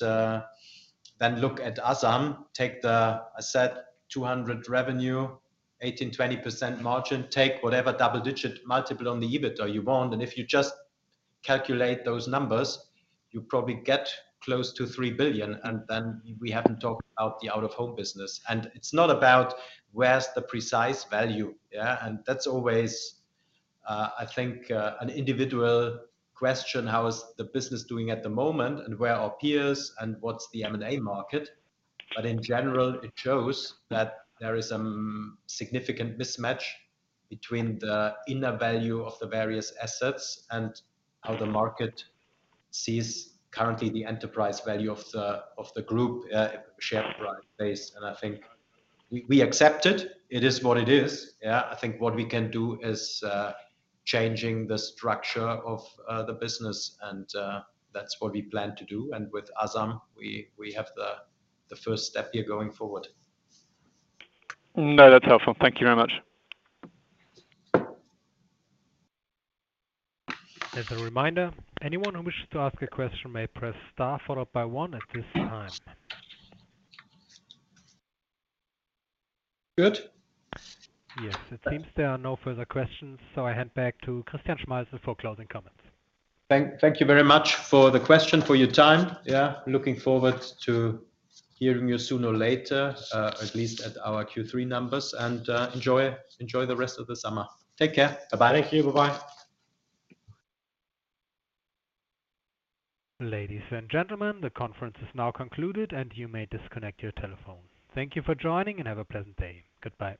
then look at Asam. Take the, I said, 200 million revenue, 18%-20% margin, take whatever double-digit multiple on the EBITDA you want, and if you just calculate those numbers, you probably get close to 3 billion, and then we haven't talked about the Out-of-Home business. It's not about where's the precise value, yeah, and that's always, I think, an individual question, how is the business doing at the moment, and where are our peers, and what's the M&A market? In general, it shows that there is some significant mismatch between the inner value of the various assets and how the market sees currently the enterprise value of the, of the group, share price base. I think we, we accept it. It is what it is. Yeah, I think what we can do is changing the structure of the business, and that's what we plan to do. With Asam, we, we have the, the first step here going forward. No, that's helpful. Thank you very much. As a reminder, anyone who wishes to ask a question may press star followed by one at this time. Good? Yes, it seems there are no further questions, so I hand back to Christian Schmalzl for closing comments. Thank you very much for the question, for your time. Yeah, looking forward to hearing you sooner or later, at least at our Q3 numbers, and enjoy the rest of the summer. Take care. Bye-bye. Thank you. Bye-bye. Ladies and gentlemen, the conference is now concluded, and you may disconnect your telephone. Thank you for joining and have a pleasant day. Goodbye.